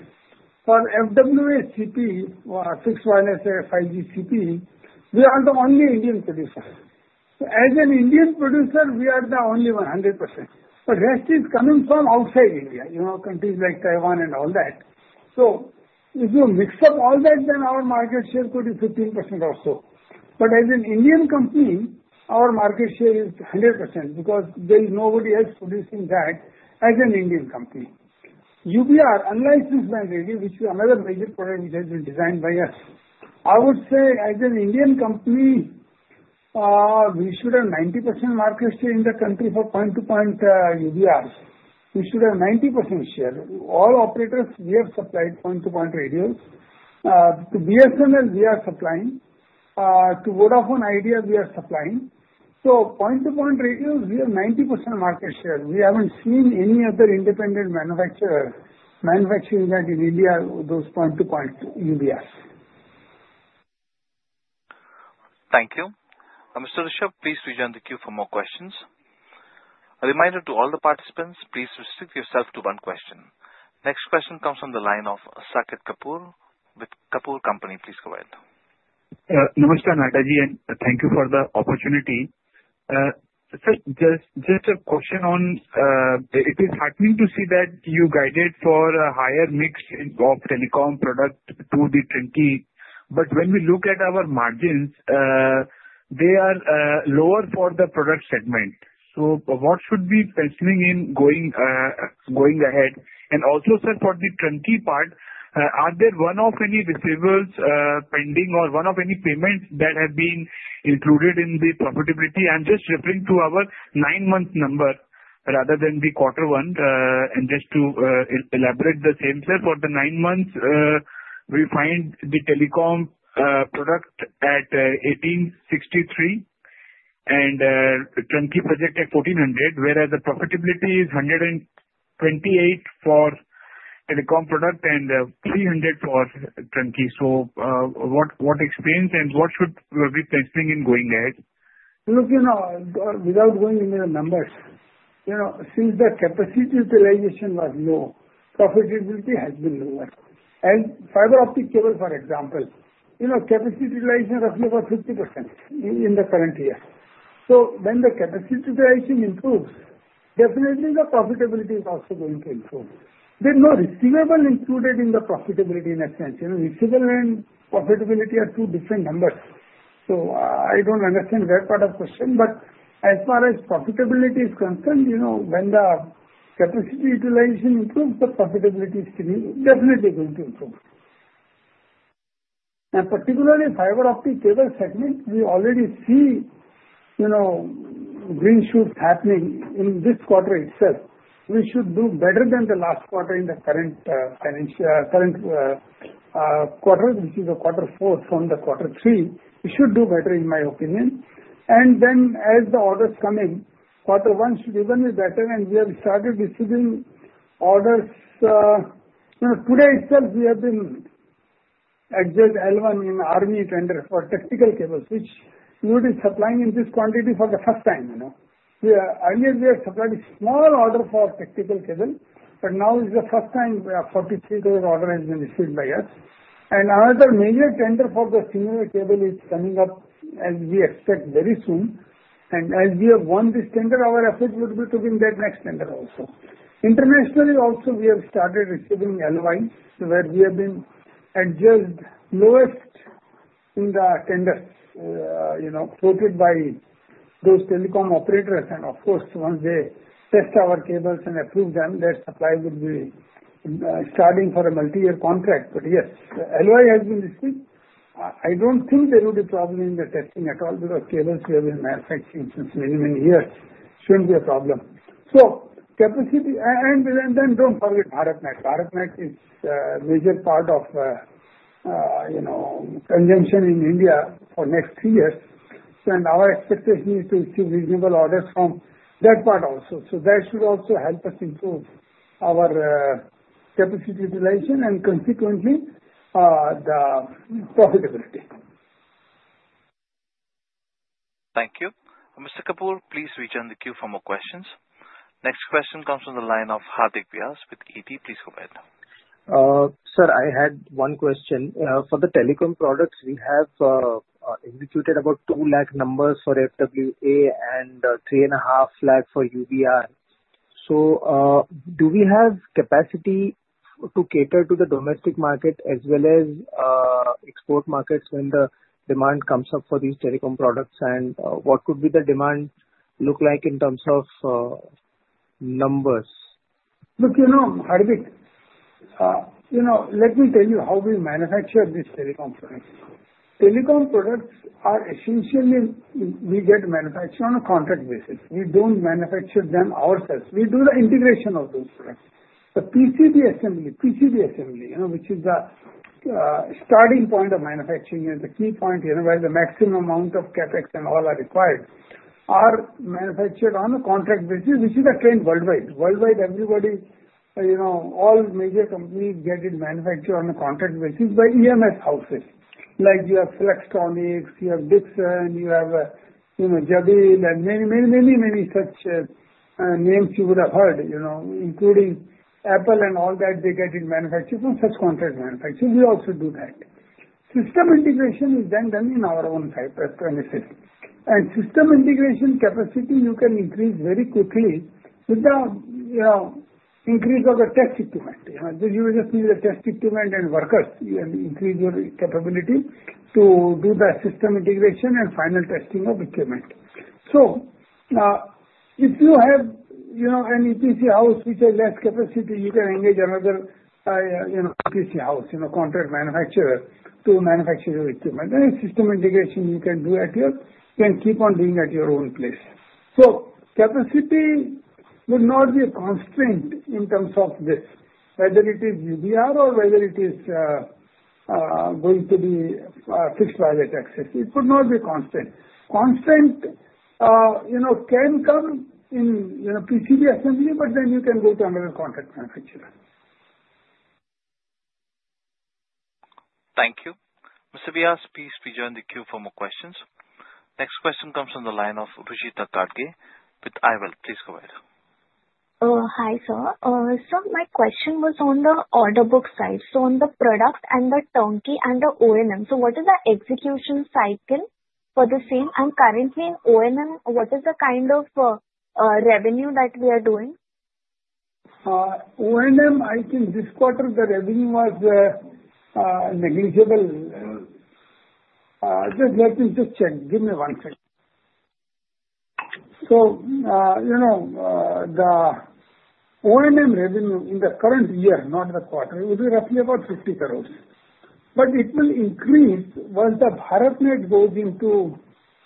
For FWA CPE, 5G SA 5G CPE, we are the only Indian producer. As an Indian producer, we are the only 100%. But the rest is coming from outside India, countries like Taiwan and all that. So if you mix up all that, then our market share could be 15% or so. But as an Indian company, our market share is 100% because there is nobody else producing that as an Indian company. UBR, unlicensed band radios, which is another major product which has been designed by us. I would say as an Indian company, we should have 90% market share in the country for point-to-point UBRs. We should have 90% share. All operators, we have supplied point-to-point radios. To BSNL, we are supplying. To Vodafone Idea, we are supplying. So point-to-point radios, we have 90% market share. We haven't seen any other independent manufacturer manufacturing that in India, those point-to-point UBRs.
Thank you. Mr. Rishab, please rejoin the queue for more questions. A reminder to all the participants, please restrict yourself to one question. Next question comes from the line of Saket Kapoor with Kapoor & Co. Please go ahead.
Namaskar, Nahataji, and thank you for the opportunity. Sir, just a question on it is heartening to see that you guided for a higher mix of telecom product to the turnkey. But when we look at our margins, they are lower for the product segment. So what should be fencing in going ahead? And also, sir, for the turnkey part, are there one of any receivables pending or one of any payments that have been included in the profitability? I'm just referring to our nine-month number rather than the quarter one. Just to elaborate the same, sir, for the nine months, we find the telecom product at 1863 and turnkey project at 1400, whereas the profitability is 128 for telecom product and 300 for turnkey. So what explains and what should we fence in going ahead?
Look, without going into the numbers, since the capacity utilization was low, profitability has been lower. Fiber optic cable, for example, capacity utilization roughly about 50% in the current year. So when the capacity utilization improves, definitely the profitability is also going to improve. There's no receivable included in the profitability in a sense. Receivable and profitability are two different numbers. So I don't understand that part of the question. As far as profitability is concerned, when the capacity utilization improves, the profitability is definitely going to improve. Particularly, fiber optic cable segment, we already see green shoots happening in this quarter itself. We should do better than the last quarter in the current quarter, which is quarter four from the quarter three. We should do better, in my opinion. Then, as the orders come in, quarter one should even be better. We have started receiving orders. Today itself, we have been at just L1 in tender for tactical cables, which we would be supplying in this quantity for the first time. Earlier, we had supplied a small order for tactical cable, but now it's the first time a 43 crore order has been received by us. Another major tender for the similar cable is coming up, as we expect, very soon. As we have won this tender, our effort would be to win that next tender also. Internationally, also, we have started receiving LOIs, where we have been L1, the lowest in the tenders quoted by those telecom operators. And of course, once they test our cables and approve them, that supply would be starting for a multi-year contract. But yes, LOI has been received. I don't think there would be a problem in the testing at all because cables we have been manufacturing since many, many years. It shouldn't be a problem. So, capacity, and then don't forget BharatNet. BharatNet is a major part of consumption in India for the next three years, and our expectation is to receive reasonable orders from that part also. So that should also help us improve our capacity utilization and consequently the profitability.
Thank you. Mr. Kapoor, please rejoin the queue for more questions. Next question comes from the line of Hardik Vyas with ET. Please go ahead.
Sir, I had one question. For the telecom products, we have executed about 2 lakh numbers for FWA and 3.5 lakh for UBR. So do we have capacity to cater to the domestic market as well as export markets when the demand comes up for these telecom products? And what could the demand look like in terms of numbers?
Look, Hardik, let me tell you how we manufacture these telecom products. Telecom products are essentially we get manufactured on a contract basis. We don't manufacture them ourselves. We do the integration of those products. The PCB assembly, PCB assembly, which is the starting point of manufacturing and the key point where the maximum amount of CapEx and all are required, are manufactured on a contract basis, which is a trend worldwide. Worldwide, everybody, all major companies get it manufactured on a contract basis by EMS houses. Like you have Flextronics, you have Dixon, you have Jabil, and many, many, many, many such names you would have heard, including Apple and all that. They get it manufactured from such contract manufacturers. We also do that. System integration is then done in our own premises. And system integration capacity, you can increase very quickly with the increase of the test equipment. You just need the test equipment and workers. You can increase your capability to do the system integration and final testing of equipment. So if you have an EPC house which has less capacity, you can engage another EPC house, contract manufacturer, to manufacture your equipment. And system integration, you can keep on doing at your own place. So capacity would not be a constraint in terms of this, whether it is UBR or whether it is going to be fixed wireless access. It would not be a constraint. Constraint can come in PCB assembly, but then you can go to another contract manufacturer.
Thank you. Mr. Vyas, please rejoin the queue for more questions. Next question comes from the line of Ruchita Gadge with iWealth. Please go ahead.
Hi, sir. So my question was on the order book side. So on the product and the turnkey and the O&M, so what is the execution cycle for the same? I'm currently in O&M. What is the kind of revenue that we are doing?
O&M, I think this quarter, the revenue was negligible. Just let me just check. Give me one second. So the O&M revenue in the current year, not the quarter, would be roughly about 500 million. But it will increase once the BharatNet goes into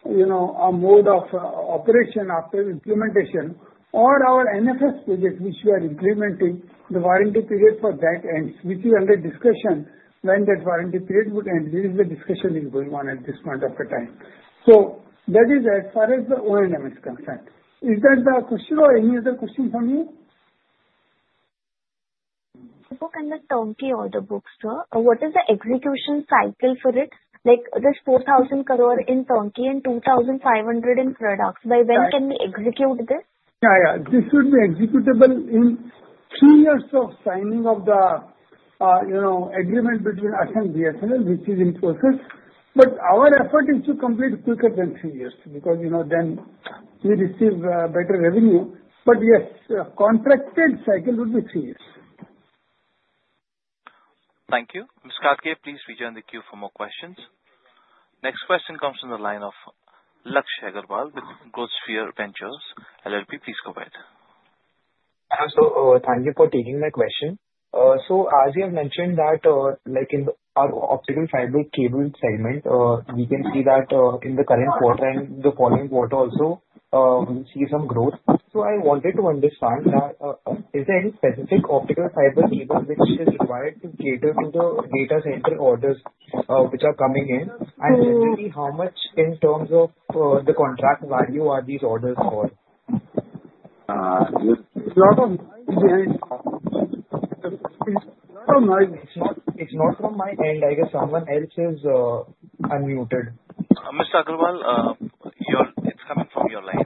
a mode of operation after implementation. All our NFS projects, which we are implementing, the warranty period for that ends, which is under discussion when that warranty period would end. This discussion is going on at this point in time. So that is as far as the O&M is concerned. Is that the question or any other question from you?
Look at the turnkey order books, sir. What is the execution cycle for it? Like there's 4,000 crores in turnkey and 2,500 crores in products. By when can we execute this?
Yeah, yeah. This should be executable in three years of signing of the agreement between us and BSNL, which is in process. But our effort is to complete quicker than three years because then we receive better revenue. But yes, contracted cycle would be three years.
Thank you.
Mr. Gadge, please rejoin the queue for more questions. Next question comes from the line of Lakshya Agarwal with Growth Sphere Ventures LLP. Please go ahead.
So thank you for taking my question. So as you have mentioned that in our optical fiber cable segment, we can see that in the current quarter and the following quarter also, we see some growth. So I wanted to understand that is there any specific optical fiber cable which is required to cater to the data center orders which are coming in? And specifically, how much in terms of the contract value are these orders for? It's not from my end. I guess someone else is unmuted.
Mr. Agarwal, it's coming from your line.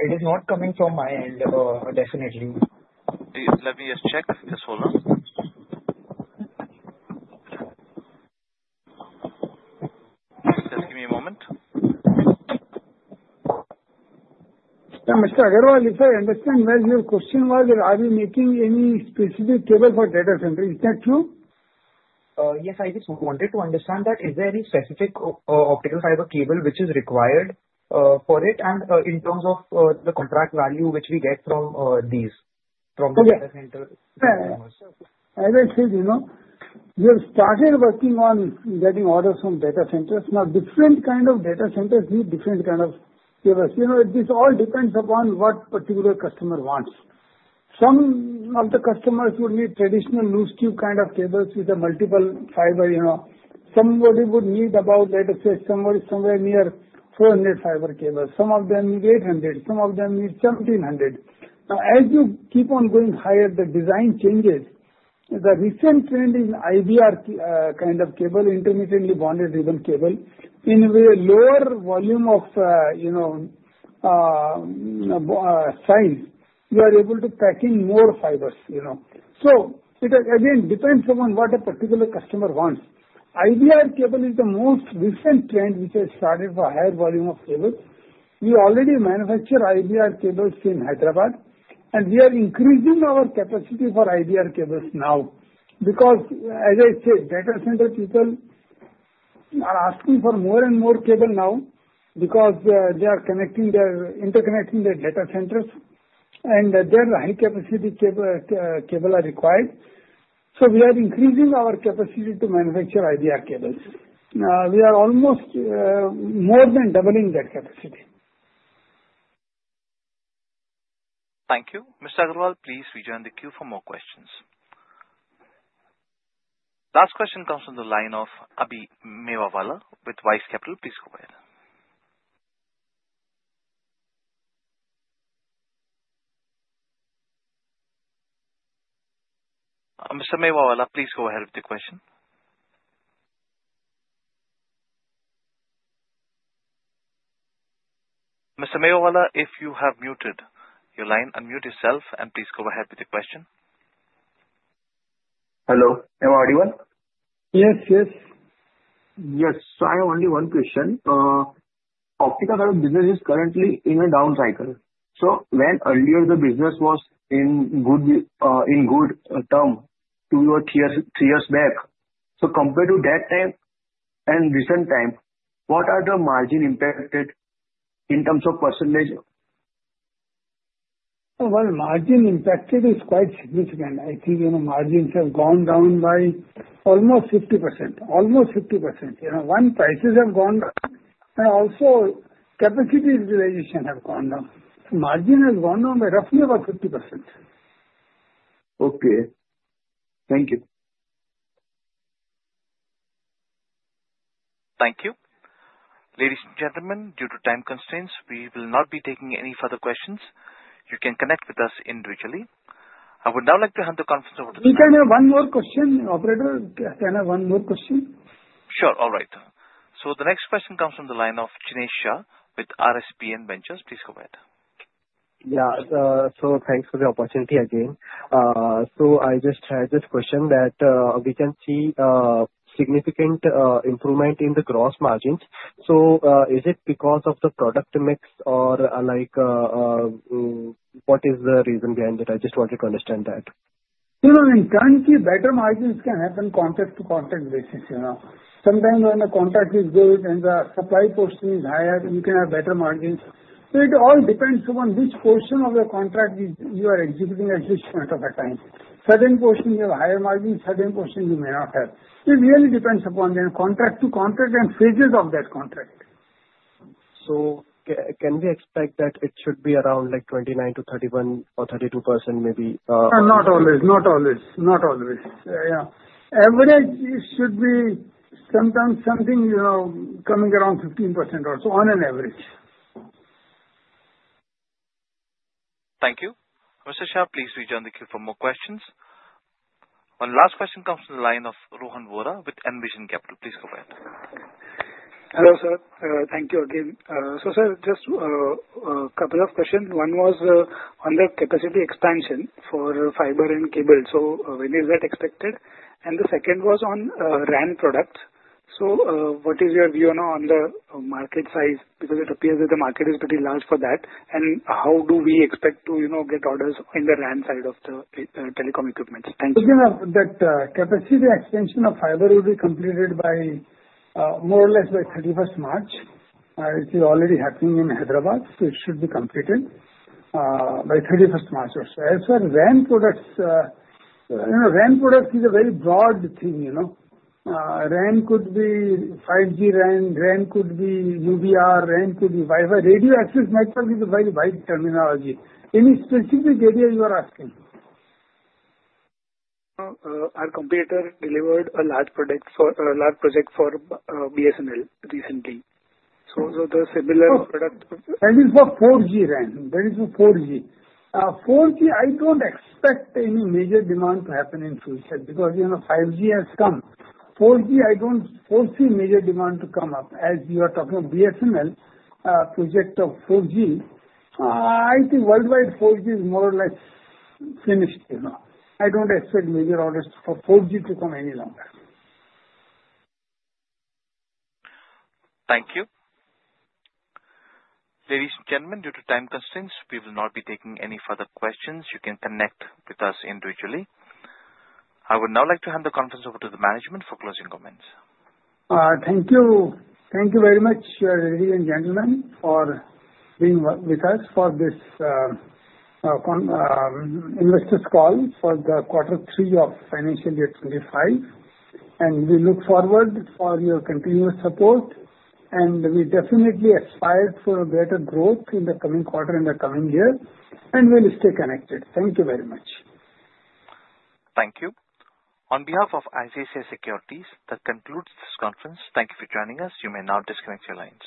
It is not coming from my end, definitely.
Let me just check. Just hold on. Just give me a moment.
Mr. Agarwal, if I understand well, your question was, are we making any specific cable for data center? Is that true?
Yes, I just wanted to understand that is there any specific optical fiber cable which is required for it and in terms of the contract value which we get from these from the data center customers?
As I said, we have started working on getting orders from data centers. Now, different kinds of data centers need different kinds of cables. This all depends upon what particular customer wants. Some of the customers would need traditional loose tube kind of cables with multiple fiber. Somebody would need about, let us say, somewhere near 400 fiber cables. Some of them need 800. Some of them need 1,700. Now, as you keep on going higher, the design changes. The recent trend is IBR kind of cable, intermittently bonded ribbon cable. In a lower volume of size, you are able to pack in more fibers. So it has, again, depends upon what a particular customer wants. IBR cable is the most recent trend which has started for higher volume of cables. We already manufacture IBR cables in Hyderabad, and we are increasing our capacity for IBR cables now because, as I said, data center people are asking for more and more cable now because they are interconnecting their data centers, and their high-capacity cable are required. So we are increasing our capacity to manufacture IBR cables. We are almost more than doubling that capacity.
Thank you. Mr. Agarwal, please rejoin the queue for more questions. Last question comes from the line of Abhi Mewawala with Vice Capital. Please go ahead. Mr. Mewawala, please go ahead with the question. Mr. Mewawala, if you have muted your line, unmute yourself, and please go ahead with the question.
Hello. Am I audible?
Yes, yes.
Yes. So I have only one question. Optical fiber business is currently in a down cycle. So when earlier the business was in good terms two or three years back, so compared to that time and recent time, what are the margin impacted in terms of percentage?
Well, margin impacted is quite significant. I think margins have gone down by almost 50%. Almost 50%. OFC prices have gone down, and also capacity utilization has gone down. Margin has gone down by roughly about 50%.
Okay. Thank you.
Thank you. Ladies and gentlemen, due to time constraints, we will not be taking any further questions. You can connect with us individually. I would now like to hand the conference over to the.
Can I have one more question, operator? Can I have one more question?
Sure. All right. So the next question comes from the line of Jinesh Shah with RSPN Ventures. Please go ahead.
Yeah. So thanks for the opportunity again. So I just had this question that we can see significant improvement in the gross margins. So is it because of the product mix, or what is the reason behind it? I just wanted to understand that.
In turnkey, better margins can happen contract to contract basis. Sometimes when the contract is good and the supply portion is higher, you can have better margins. So it all depends upon which portion of the contract you are executing at which point of the time. Certain portion, you have higher margins. Certain portion, you may not have. It really depends upon the contract to contract and phases of that contract.
So can we expect that it should be around 29-31% or 32% maybe?
Not always. Not always. Not always. Yeah. Average should be sometimes something coming around 15% or so on an average.
Thank you. Mr. Shah, please rejoin the queue for more questions. One last question comes from the line of Rohan Vora with Envision Capital. Please go ahead.
Hello, sir. Thank you again. So sir, just a couple of questions. One was on the capacity expansion for fiber and cable. So when is that expected? And the second was on RAN products. So what is your view on the market size? Because it appears that the market is pretty large for that. And how do we expect to get orders in the RAN side of the telecom equipments? Thank you.
Again, that capacity expansion of fiber will be completed more or less by 31st March. It is already happening in Hyderabad, so it should be completed by 31st March or so. As for RAN products, RAN products is a very broad thing. RAN could be 5G RAN, RAN could be UBR, RAN could be Wi-Fi. Radio access network is a very wide terminology. Any specific area you are asking? Our competitor delivered a large project for BSNL recently. So the similar product. That is for 4G RAN. That is for 4G. 4G, I don't expect any major demand to happen in the future because 5G has come. 4G, I don't foresee major demand to come up. As you are talking of BSNL project of 4G, I think worldwide 4G is more or less finished. I don't expect major orders for 4G to come any longer.
Thank you. Ladies and gentlemen, due to time constraints, we will not be taking any further questions. You can connect with us individually. I would now like to hand the conference over to the management for closing comments.
Thank you. Thank you very much, ladies and gentlemen, for being with us for this investors' call for the quarter three of financial year 2025. And we look forward for your continuous support, and we definitely aspire for better growth in the coming quarter and the coming year, and we'll stay connected. Thank you very much. Thank you. On behalf of ICICI Securities, that concludes this conference. Thank you for joining us. You may now disconnect your line.